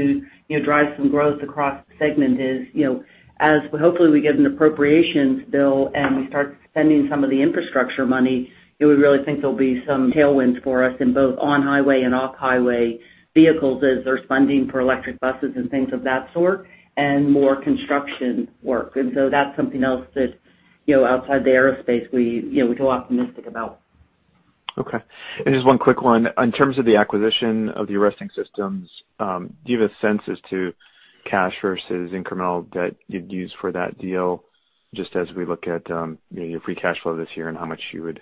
you know, drive some growth across the segment is, you know, as hopefully we get an appropriations bill and we start spending some of the infrastructure money, you know, we really think there'll be some tailwinds for us in both on-highway and off-highway vehicles as there's funding for electric buses and things of that sort and more construction work. That's something else that, you know, outside the aerospace, we, you know, we feel optimistic about. Okay. Just one quick one. In terms of the acquisition of the Arresting Systems, do you have a sense as to cash versus incremental debt you'd use for that deal just as we look at, you know, your free cash flow this year and how much you would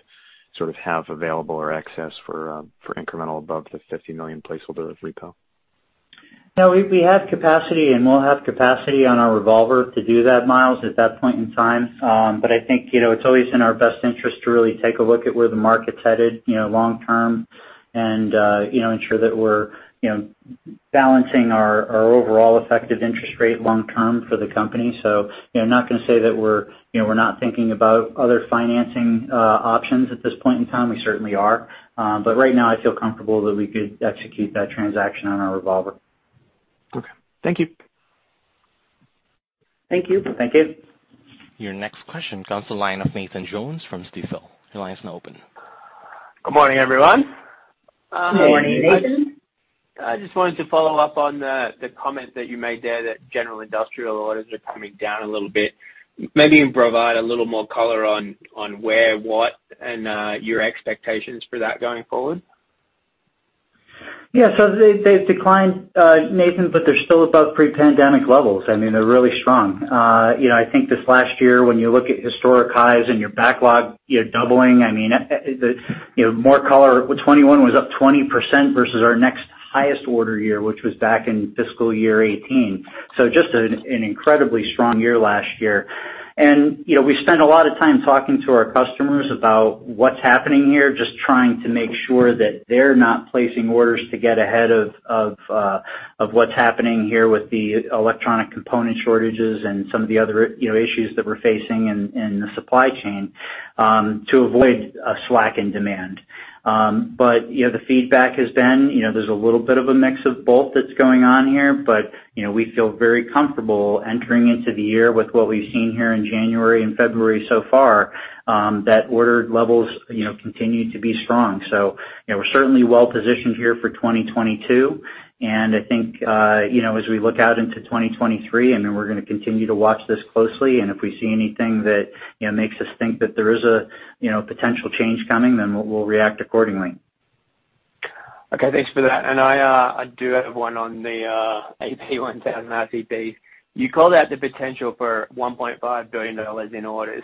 sort of have available or access for incremental above the $50 million placeholder of repo? No, we have capacity and we'll have capacity on our revolver to do that, Myles, at that point in time. I think, you know, it's always in our best interest to really take a look at where the market's headed, you know, long term and, you know, ensure that we're, you know, balancing our overall effective interest rate long term for the company. You know, not gonna say that we're, you know, not thinking about other financing options at this point in time. We certainly are. Right now I feel comfortable that we could execute that transaction on our revolver. Okay. Thank you. Thank you. Thank you. Your next question comes to the line of Nathan Jones from Stifel. Your line is now open. Good morning, everyone. Good morning, Nathan. I just wanted to follow up on the comment that you made there that general industrial orders are coming down a little bit. Maybe you can provide a little more color on where, what, and your expectations for that going forward. Yeah. They’ve declined, Nathan, but they’re still above pre-pandemic levels. I mean, they’re really strong. You know, I think this last year when you look at historic highs and your backlog, you know, doubling, I mean, you know, more color, with 2021 was up 20% versus our next highest order year, which was back in fiscal year 2018. Just an incredibly strong year last year. You know, we spent a lot of time talking to our customers about what's happening here, just trying to make sure that they're not placing orders to get ahead of what's happening here with the electronic component shortages and some of the other, you know, issues that we're facing in the supply chain, to avoid a slack in demand. You know, the feedback has been, you know, there's a little bit of a mix of both that's going on here, but, you know, we feel very comfortable entering into the year with what we've seen here in January and February so far, that order levels, you know, continue to be strong. You know, we're certainly well positioned here for 2022. I think, you know, as we look out into 2023, I mean, we're gonna continue to watch this closely, and if we see anything that, you know, makes us think that there is a, you know, potential change coming, then we'll react accordingly. Okay, thanks for that. I do have one on the AP1000 RCP. You called out the potential for $1.5 billion in orders.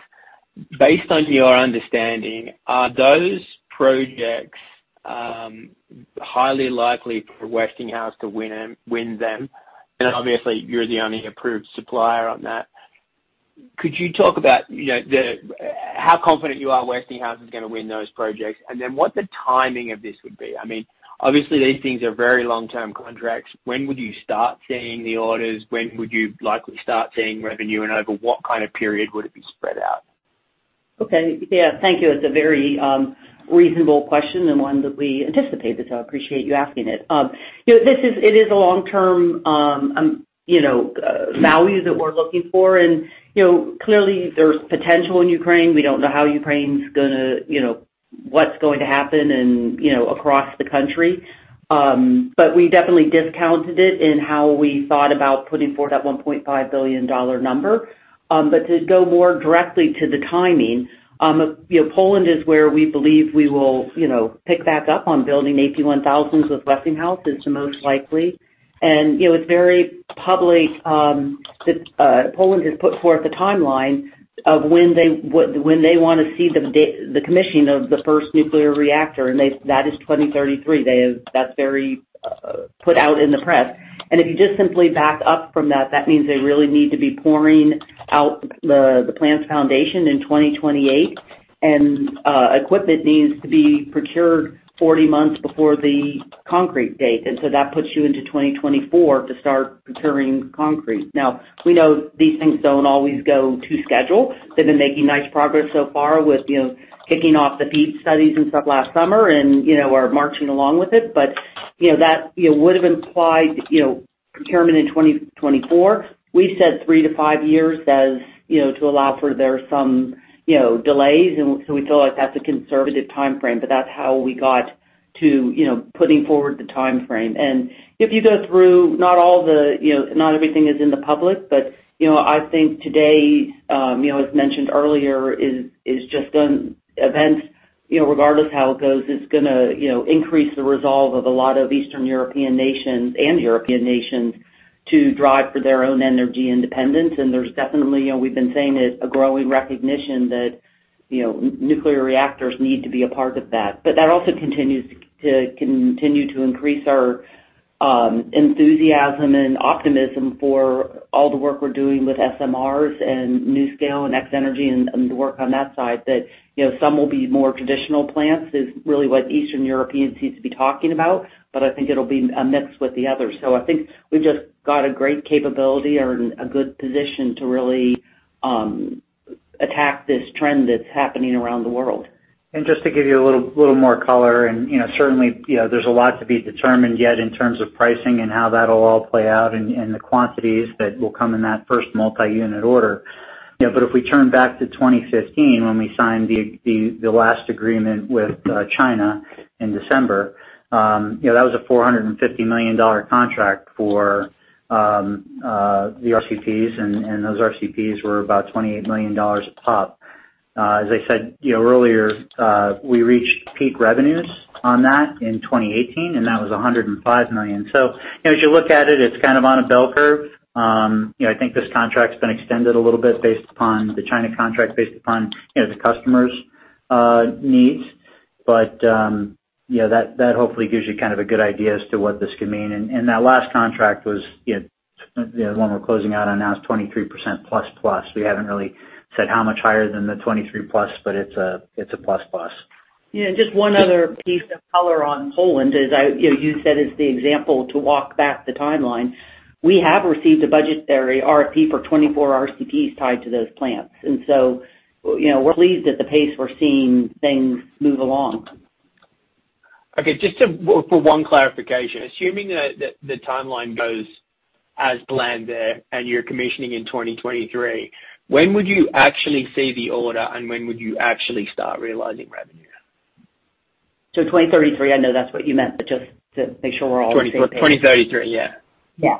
Based on your understanding, are those projects highly likely for Westinghouse to win them? Obviously, you're the only approved supplier on that. Could you talk about, you know, how confident you are Westinghouse is gonna win those projects, and then what the timing of this would be? I mean, obviously these things are very long-term contracts. When would you start seeing the orders? When would you likely start seeing revenue, and over what kind of period would it be spread out? Okay. Yeah. Thank you. That's a very reasonable question and one that we anticipated, so I appreciate you asking it. You know, this is it is a long-term value that we're looking for. You know, clearly there's potential in Ukraine. We don't know how Ukraine's gonna, you know, what's going to happen and, you know, across the country. But we definitely discounted it in how we thought about putting forth that $1.5 billion number. But to go more directly to the timing, you know, Poland is where we believe we will, you know, pick back up on building AP1000s with Westinghouse. It's the most likely. You know, it's very public that Poland has put forth a timeline of when they wanna see the commissioning of the first nuclear reactor, and that is 2033. That's very put out in the press. If you just simply back up from that means they really need to be pouring the plant's foundation in 2028, and equipment needs to be procured 40 months before the concrete date. So that puts you into 2024 to start procuring concrete. Now, we know these things don't always go to schedule. They've been making nice progress so far with you know, kicking off the feed studies and stuff last summer and you know, are marching along with it. You know, that would've implied you know, procurement in 2024. We've said 3-5 years as, you know, to allow for there some, you know, delays. We feel like that's a conservative timeframe, but that's how we got to, you know, putting forward the timeframe. If you go through, not everything is in the public, but I think today, as mentioned earlier, is just events, you know, regardless how it goes, is gonna, you know, increase the resolve of a lot of Eastern European nations and European nations to drive for their own energy independence. There's definitely, you know, we've been saying it, a growing recognition that, you know, nuclear reactors need to be a part of that. That also continues to increase our enthusiasm and optimism for all the work we're doing with SMRs and NuScale and X-energy and the work on that side that, you know, some will be more traditional plants is really what Eastern Europeans seem to be talking about, but I think it'll be a mix with the others. I think we've just got a great capability or a good position to really attack this trend that's happening around the world. Just to give you a little more color, you know, certainly, there's a lot to be determined yet in terms of pricing and how that'll all play out and the quantities that will come in that first multi-unit order. If we turn back to 2015 when we signed the last agreement with China in December, that was a $450 million contract for the RCPs and those RCPs were about $28 million a pop. As I said earlier, we reached peak revenues on that in 2018, and that was $105 million. As you look at it's kind of on a bell curve. You know, I think this contract's been extended a little bit based upon the China contract, based upon, you know, the customer's needs. You know, that hopefully gives you kind of a good idea as to what this could mean. That last contract was, you know, the one we're closing out on now is 23%++. We haven't really said how much higher than the 23+, but it's a ++. Yeah, just one other piece of color on Poland is, you know, you said it's the example to walk back the timeline. We have received a budgetary RFP for 24 RCPs tied to those plants. You know, we're pleased at the pace we're seeing things move along. Okay, for one clarification. Assuming that the timeline goes as planned there and you're commissioning in 2023, when would you actually see the order, and when would you actually start realizing revenue? 2033, I know that's what you meant, but just to make sure we're all on the same page. 2033, yeah. Yeah.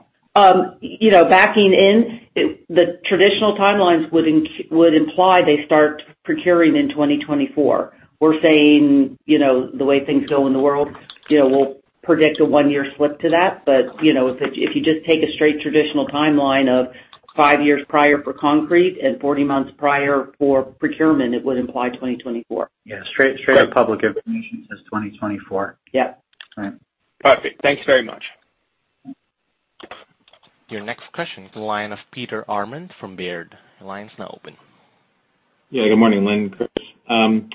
You know, backing in, the traditional timelines would imply they start procuring in 2024. We're saying, you know, the way things go in the world, you know, we'll predict a 1-year slip to that. You know, if you just take a straight traditional timeline of 5 years prior for concrete and 40 months prior for procurement, it would imply 2024. Yeah. Straight up public information says 2024. Yeah. All right. Perfect. Thanks very much. Your next question comes from the line of Peter Arment from Baird. Your line's now open. Yeah. Good morning, Lynn and Chris.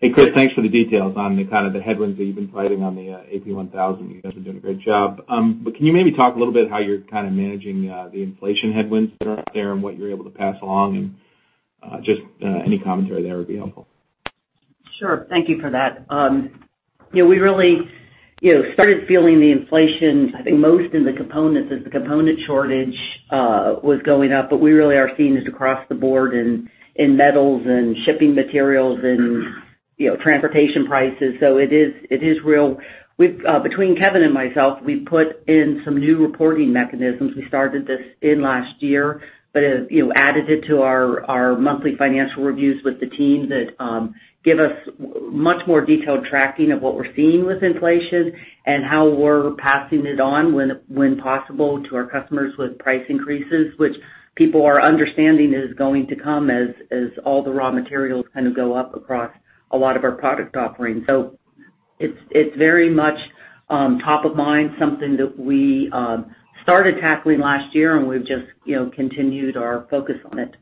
Hey, Chris, thanks for the details on the kind of the headwinds that you've been fighting on the AP1000. You guys are doing a great job. Can you maybe talk a little bit how you're kind of managing the inflation headwinds that are out there and what you're able to pass along and just any commentary there would be helpful. Sure. Thank you for that. You know, we really, you know, started feeling the inflation, I think, most in the components as the component shortage was going up. We really are seeing it across the board in metals and shipping materials and, you know, transportation prices. It is real. Between Kevin and myself, we've put in some new reporting mechanisms. We started this in last year, but it, you know, added it to our monthly financial reviews with the team that give us much more detailed tracking of what we're seeing with inflation and how we're passing it on when possible to our customers with price increases, which people are understanding is going to come as all the raw materials kind of go up across a lot of our product offerings. It's very much top of mind, something that we started tackling last year, and we've just, you know, continued our focus on it.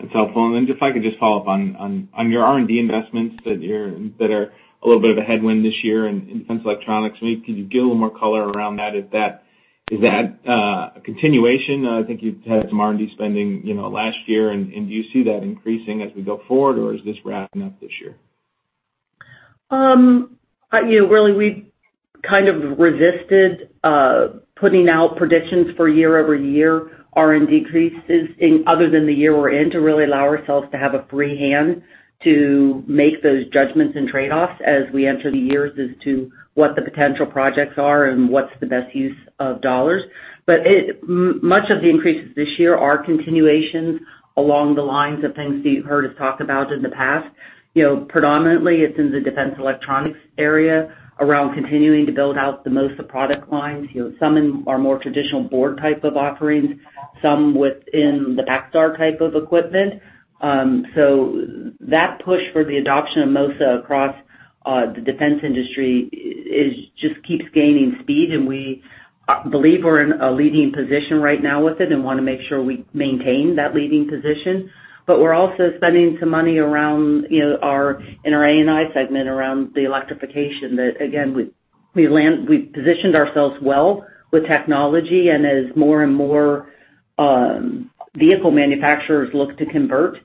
That's helpful. Then if I could just follow up on your R&D investments that are a little bit of a headwind this year in defense electronics. Maybe could you give a little more color around that? Is that a continuation? I think you've had some R&D spending, you know, last year. Do you see that increasing as we go forward, or is this wrapping up this year? You know, really, we've kind of resisted putting out predictions for year-over-year R&D increases other than the year we're in, to really allow ourselves to have a free hand to make those judgments and trade-offs as we enter the years as to what the potential projects are and what's the best use of dollars. Much of the increases this year are continuations along the lines of things that you've heard us talk about in the past. You know, predominantly, it's in the defense electronics area around continuing to build out the MOSA product lines. You know, some in our more traditional board type of offerings, some within the PacStar type of equipment. That push for the adoption of MOSA across the defense industry is just keeps gaining speed, and we believe we're in a leading position right now with it and wanna make sure we maintain that leading position. But we're also spending some money around, you know, in our A&I segment around the electrification that again, we've positioned ourselves well with technology. As more and more vehicle manufacturers look to convert,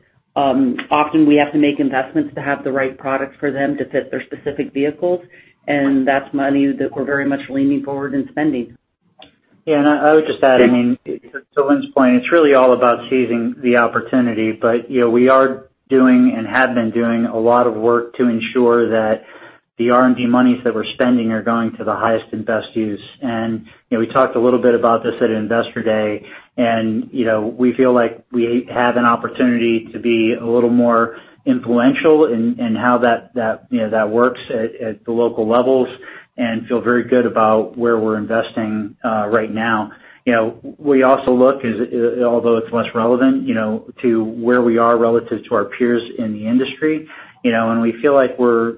often we have to make investments to have the right product for them to fit their specific vehicles. That's money that we're very much leaning forward and spending. Yeah, I would just add, I mean, to Lynn's point, it's really all about seizing the opportunity. You know, we are doing and have been doing a lot of work to ensure that the R&D monies that we're spending are going to the highest and best use. You know, we talked a little bit about this at Investor Day, and you know, we feel like we have an opportunity to be a little more influential in how that works at the local levels and feel very good about where we're investing right now. You know, we also look at, although it's less relevant, you know, to where we are relative to our peers in the industry, you know, and we feel like we're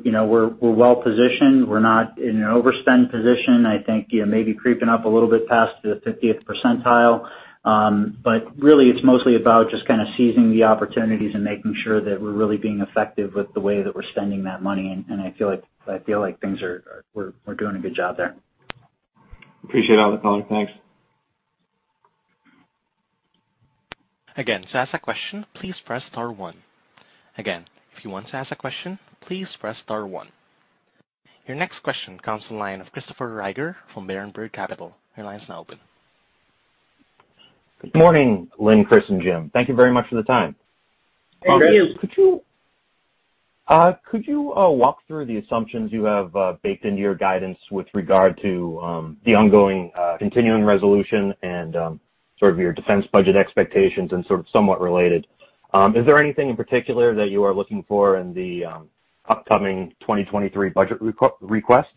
well positioned. We're not in an overspend position. I think, you know, maybe creeping up a little bit past the fiftieth percentile. Really it's mostly about just kinda seizing the opportunities and making sure that we're really being effective with the way that we're spending that money. I feel like things are. We're doing a good job there. Appreciate all the color. Thanks. Again, to ask a question, please press star one. Again, if you want to ask a question, please press star one. Your next question comes from the line of Christopher Glynn from Oppenheimer. Your line's now open. Good morning, Lynn, Chris, and Jim. Thank you very much for the time. Hey, Chris. Hey. Could you walk through the assumptions you have baked into your guidance with regard to the ongoing continuing resolution and sort of your defense budget expectations? Sort of somewhat related, is there anything in particular that you are looking for in the upcoming 2023 budget request?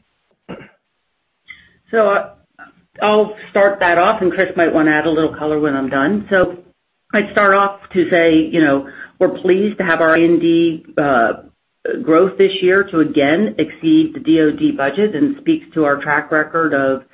I'll start that off, and Chris might wanna add a little color when I'm done. I'd start off to say, you know, we're pleased to have our R&D growth this year to again exceed the DoD budget and speaks to our track record of,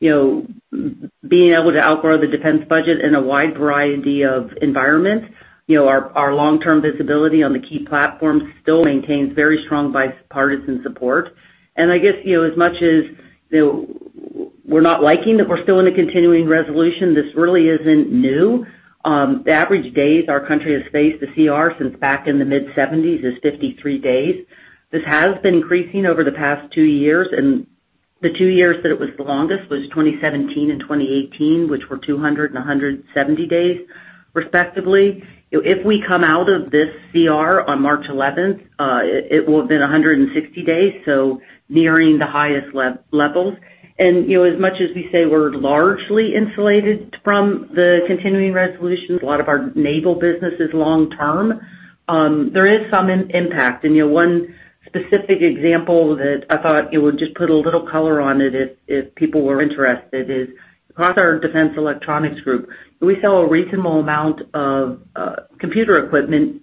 you know, being able to outgrow the defense budget in a wide variety of environments. You know, our long-term visibility on the key platform still maintains very strong bipartisan support. I guess, you know, as much as, you know, we're not liking that we're still in a continuing resolution, this really isn't new. The average days our country has faced the CR since back in the mid-1970s is 53 days. This has been increasing over the past two years, and the two years that it was the longest was 2017 and 2018, which were 200 and 170 days respectively. You know, if we come out of this CR on March 11, it will have been 160 days, so nearing the highest levels. You know, as much as we say we're largely insulated from the continuing resolutions, a lot of our naval business is long term. There is some impact. You know, one specific example that I thought, you know, would just put a little color on it if people were interested is across our Defense Electronics group, we sell a reasonable amount of computer equipment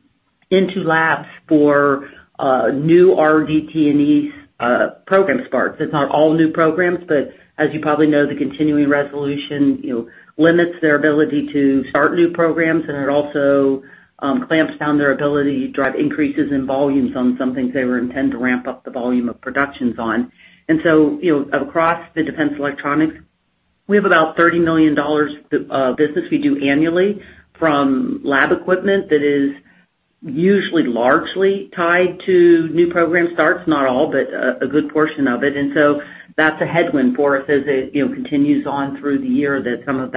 into labs for new RDT&E program starts. It's not all new programs, but as you probably know, the continuing resolution, you know, limits their ability to start new programs, and it also clamps down on their ability to drive increases in volumes on some things they intend to ramp up the volume of production on. You know, across the Defense Electronics, we have about $30 million of business we do annually from lab equipment that is usually largely tied to new program starts, not all, but a good portion of it. That's a headwind for us as it, you know, continues on through the year that some of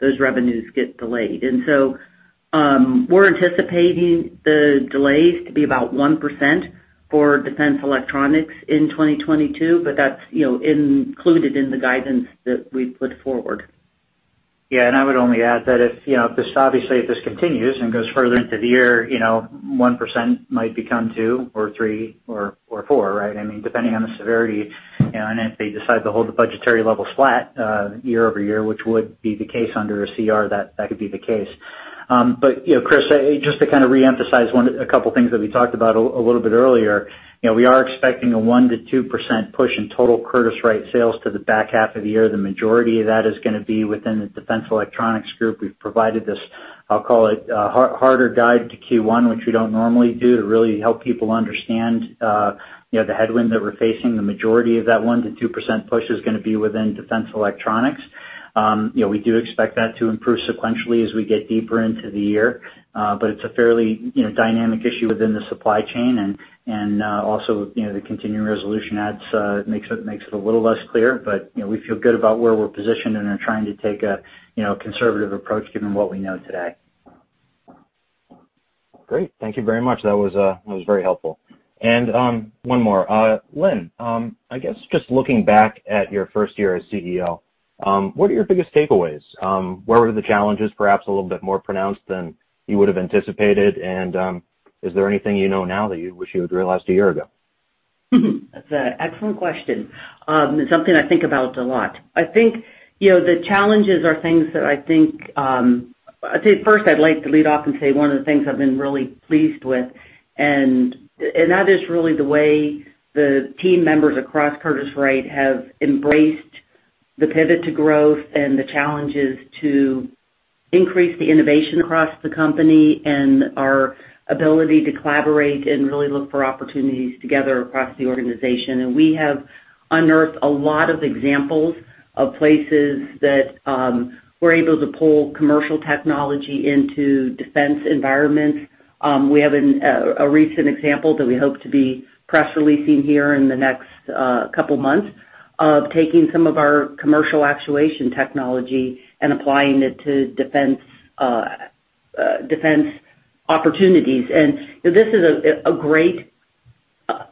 those revenues get delayed. We're anticipating the delays to be about 1% for Defense Electronics in 2022, but that's, you know, included in the guidance that we put forward. Yeah, I would only add that if this obviously continues and goes further into the year, you know, 1% might become 2 or 3 or 4, right? I mean, depending on the severity, you know, and if they decide to hold the budgetary level flat year-over-year, which would be the case under CR, that could be the case. But you know, Chris, just to kind of reemphasize one, a couple of things that we talked about a little bit earlier, you know, we are expecting a 1%-2% push in total Curtiss-Wright sales to the back half of the year. The majority of that is gonna be within the defense electronics group. We've provided this, I'll call it, harder guide to Q1, which we don't normally do, to really help people understand, you know, the headwind that we're facing. The majority of that 1%-2% push is gonna be within defense electronics. You know, we do expect that to improve sequentially as we get deeper into the year. It's a fairly, you know, dynamic issue within the supply chain. Also, you know, the continuing resolution adds, makes it a little less clear. You know, we feel good about where we're positioned, and are trying to take a, you know, conservative approach given what we know today. Great. Thank you very much. That was very helpful. One more. Lynn, I guess just looking back at your first year as CEO, what are your biggest takeaways? Where were the challenges perhaps a little bit more pronounced than you would've anticipated? Is there anything you know now that you wish you had realized a year ago? That's an excellent question, and something I think about a lot. I think, you know, the challenges are things that I think, I'd say first I'd like to lead off and say one of the things I've been really pleased with, and that is really the way the team members across Curtiss-Wright have embraced the Pivot to Growth and the challenges to increase the innovation across the company, and our ability to collaborate and really look for opportunities together across the organization. We have unearthed a lot of examples of places that, we're able to pull commercial technology into defense environments. We have a recent example that we hope to be press releasing here in the next couple months of taking some of our commercial actuation technology and applying it to defense opportunities. This is a great,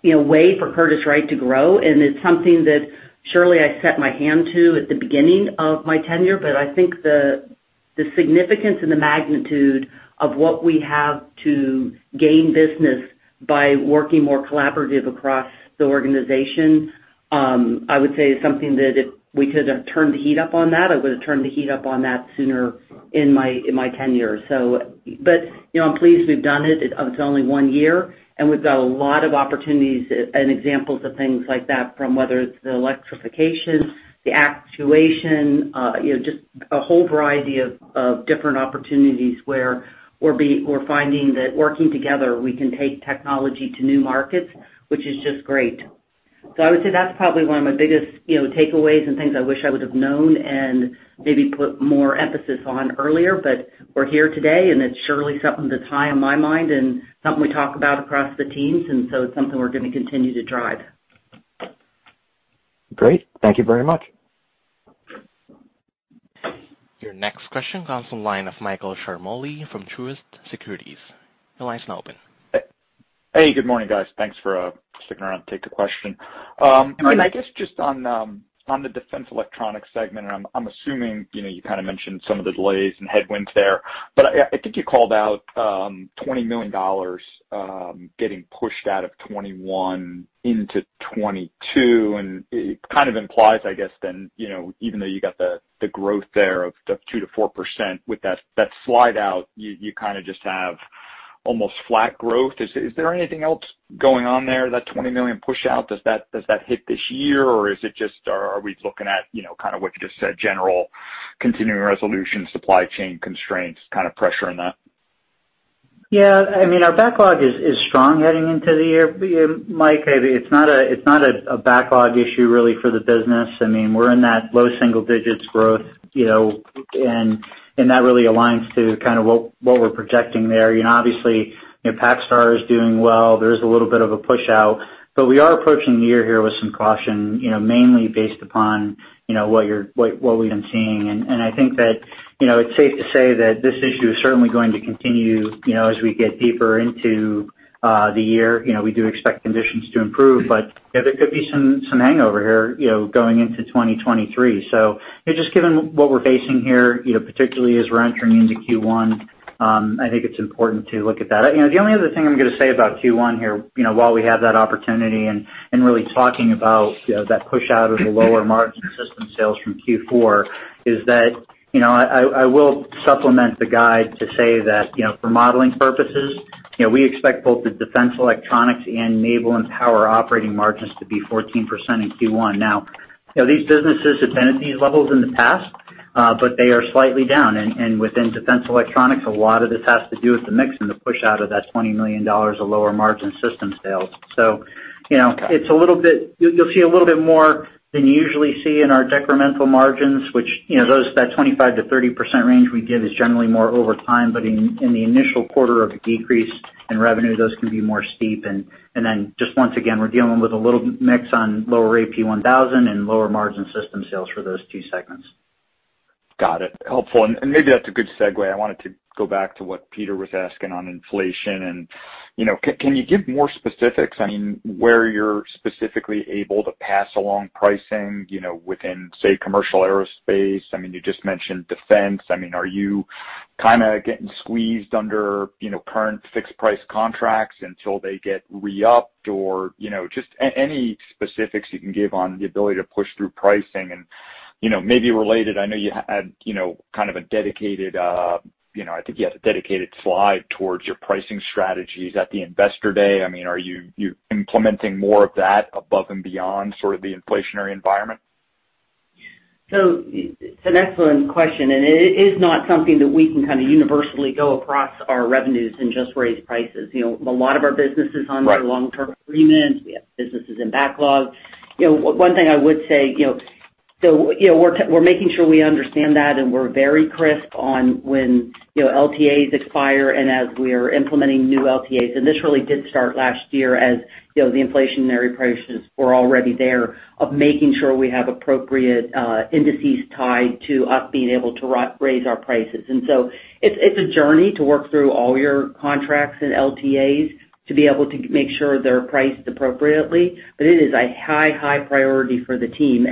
you know, way for Curtiss-Wright to grow, and it's something that surely I set my hand to at the beginning of my tenure. I think the significance and the magnitude of what we have to gain business by working more collaborative across the organization, I would say is something that if we could have turned the heat up on that, I would have turned the heat up on that sooner in my tenure. But, you know, I'm pleased we've done it. It's only one year, and we've got a lot of opportunities and examples of things like that, from whether it's the electrification, the actuation, you know, just a whole variety of different opportunities where we're finding that working together, we can take technology to new markets, which is just great. I would say that's probably one of my biggest, you know, takeaways and things I wish I would have known and maybe put more emphasis on earlier. We're here today, and it's surely something that's high on my mind and something we talk about across the teams, and so it's something we're gonna continue to drive. Great. Thank you very much. Your next question comes from the line of Michael Ciarmoli from Truist Securities. Your line's now open. Hey, good morning, guys. Thanks for sticking around to take the question. I guess just on the defense electronics segment, I'm assuming, you know, you kinda mentioned some of the delays and headwinds there, but I think you called out $20 million getting pushed out of 2021 into 2022. It kind of implies, I guess, then, you know, even though you got the growth there of 2%-4% with that slide out, you kinda just have almost flat growth. Is there anything else going on there, that $20 million push out? Does that hit this year, or is it just are we looking at, you know, kind of what you just said, general continuing resolution, supply chain constraints kind of pressure in that? Yeah. I mean, our backlog is strong heading into the year, Mike. I mean, it's not a backlog issue really for the business. I mean, we're in that low single digits growth, you know, and that really aligns to kind of what we're projecting there. You know, obviously, PacStar is doing well. There is a little bit of a push out, but we are approaching the year here with some caution, you know, mainly based upon what we've been seeing. I think that, you know, it's safe to say that this issue is certainly going to continue, you know, as we get deeper into the year. You know, we do expect conditions to improve, but there could be some hangover here, you know, going into 2023. You know, just given what we're facing here, you know, particularly as we're entering into Q1, I think it's important to look at that. You know, the only other thing I'm gonna say about Q1 here, you know, while we have that opportunity and really talking about, you know, that push out of the lower margin system sales from Q4 is that, you know, I will supplement the guide to say that, you know, for modeling purposes, you know, we expect both the Defense Electronics and Naval and Power operating margins to be 14% in Q1. Now, you know, these businesses have been at these levels in the past, but they are slightly down. Within defense electronics, a lot of this has to do with the mix and the push out of that $20 million of lower margin system sales. You know, it's a little bit, you'll see a little bit more than you usually see in our decremental margins, which, you know, that 25%-30% range we give is generally more over time. In the initial quarter of decrease in revenue, those can be more steep. Just once again, we're dealing with a little mix on lower AP1000 and lower margin system sales for those two segments. Got it. Helpful. Maybe that's a good segue. I wanted to go back to what Peter was asking on inflation. You know, can you give more specifics, I mean, where you're specifically able to pass along pricing, you know, within, say, commercial aerospace? I mean, you just mentioned defense. I mean, are you kinda getting squeezed under, you know, current fixed price contracts until they get re-upped? Or, you know, just any specifics you can give on the ability to push through pricing. You know, maybe related, I know you had, you know, kind of a dedicated, you know, I think you have a dedicated slide towards your pricing strategies at the investor day. I mean, are you implementing more of that above and beyond sort of the inflationary environment? It's an excellent question, and it is not something that we can kinda universally go across our revenues and just raise prices. You know, a lot of our business is on- Right. Long-term agreements. We have businesses in backlog. You know, one thing I would say, you know, we're making sure we understand that, and we're very crisp on when, you know, LTAs expire and as we're implementing new LTAs. This really did start last year as, you know, the inflationary prices were already there, of making sure we have appropriate indices tied to us being able to raise our prices. It's a journey to work through all your contracts and LTAs to be able to make sure they're priced appropriately. But it is a high priority for the team.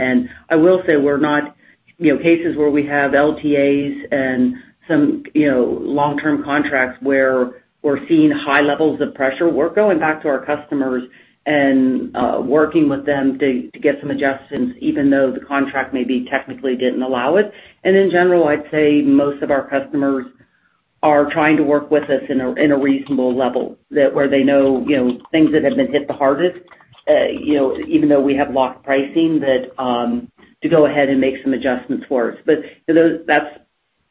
I will say we're not seeing cases where we have LTAs and some long-term contracts where we're seeing high levels of pressure. We're going back to our customers and working with them to get some adjustments, even though the contract maybe technically didn't allow it. In general, I'd say most of our customers are trying to work with us in a reasonable level. That's where they know, you know, things that have been hit the hardest, you know, even though we have locked pricing that to go ahead and make some adjustments for us.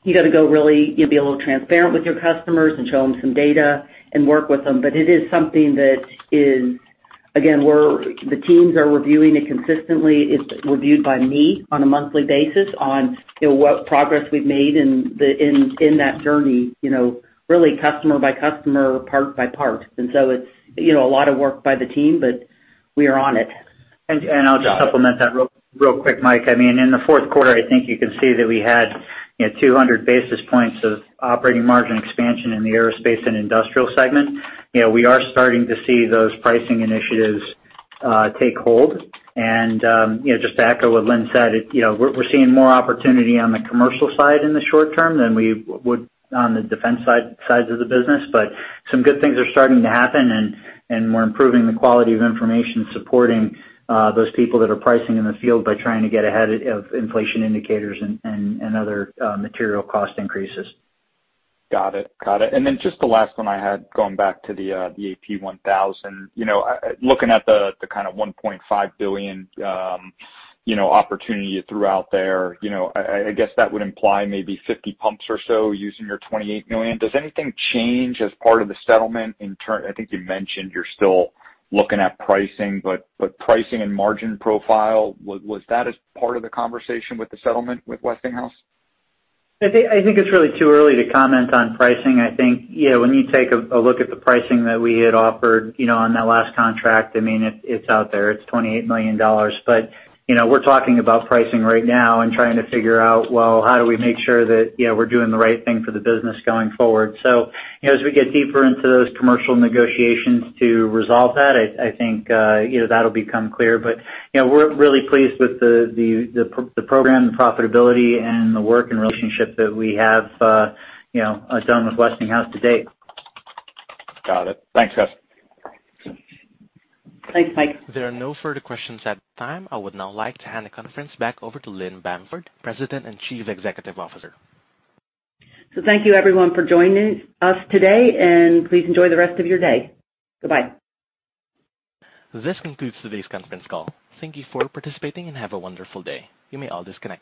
You gotta go really, you know, be a little transparent with your customers and show them some data and work with them. It is something that is, again, the teams are reviewing it consistently. It's reviewed by me on a monthly basis on, you know, what progress we've made in that journey, you know, really customer by customer, part by part. It's, you know, a lot of work by the team, but we are on it. I'll just supplement that real quick, Mike. I mean, in the Q4, I think you can see that we had, you know, 200 basis points of operating margin expansion in the Aerospace and Industrial segment. You know, we are starting to see those pricing initiatives take hold. You know, just to echo what Lynn said, you know, we're seeing more opportunity on the commercial side in the short term than we would on the defense side of the business. Some good things are starting to happen, and we're improving the quality of information supporting those people that are pricing in the field by trying to get ahead of inflation indicators and other material cost increases. Got it. Then just the last one I had going back to the AP1000. You know, looking at the kinda $1.5 billion opportunity you threw out there, you know, I guess that would imply maybe 50 pumps or so using your $28 million. Does anything change as part of the settlement? I think you mentioned you're still looking at pricing, but what pricing and margin profile was that a part of the conversation with the settlement with Westinghouse? I think it's really too early to comment on pricing. I think, you know, when you take a look at the pricing that we had offered, you know, on that last contract, I mean, it's out there, it's $28 million. You know, we're talking about pricing right now and trying to figure out, well, how do we make sure that, you know, we're doing the right thing for the business going forward? You know, as we get deeper into those commercial negotiations to resolve that, I think, you know, that'll become clear. You know, we're really pleased with the program profitability and the work and relationship that we have, you know, done with Westinghouse to date. Got it. Thanks, guys. Thanks, Mike. There are no further questions at this time. I would now like to hand the conference back over to Lynn Bamford, President and Chief Executive Officer. Thank you everyone for joining us today, and please enjoy the rest of your day. Goodbye. This concludes today's conference call. Thank you for participating and have a wonderful day. You may all disconnect now.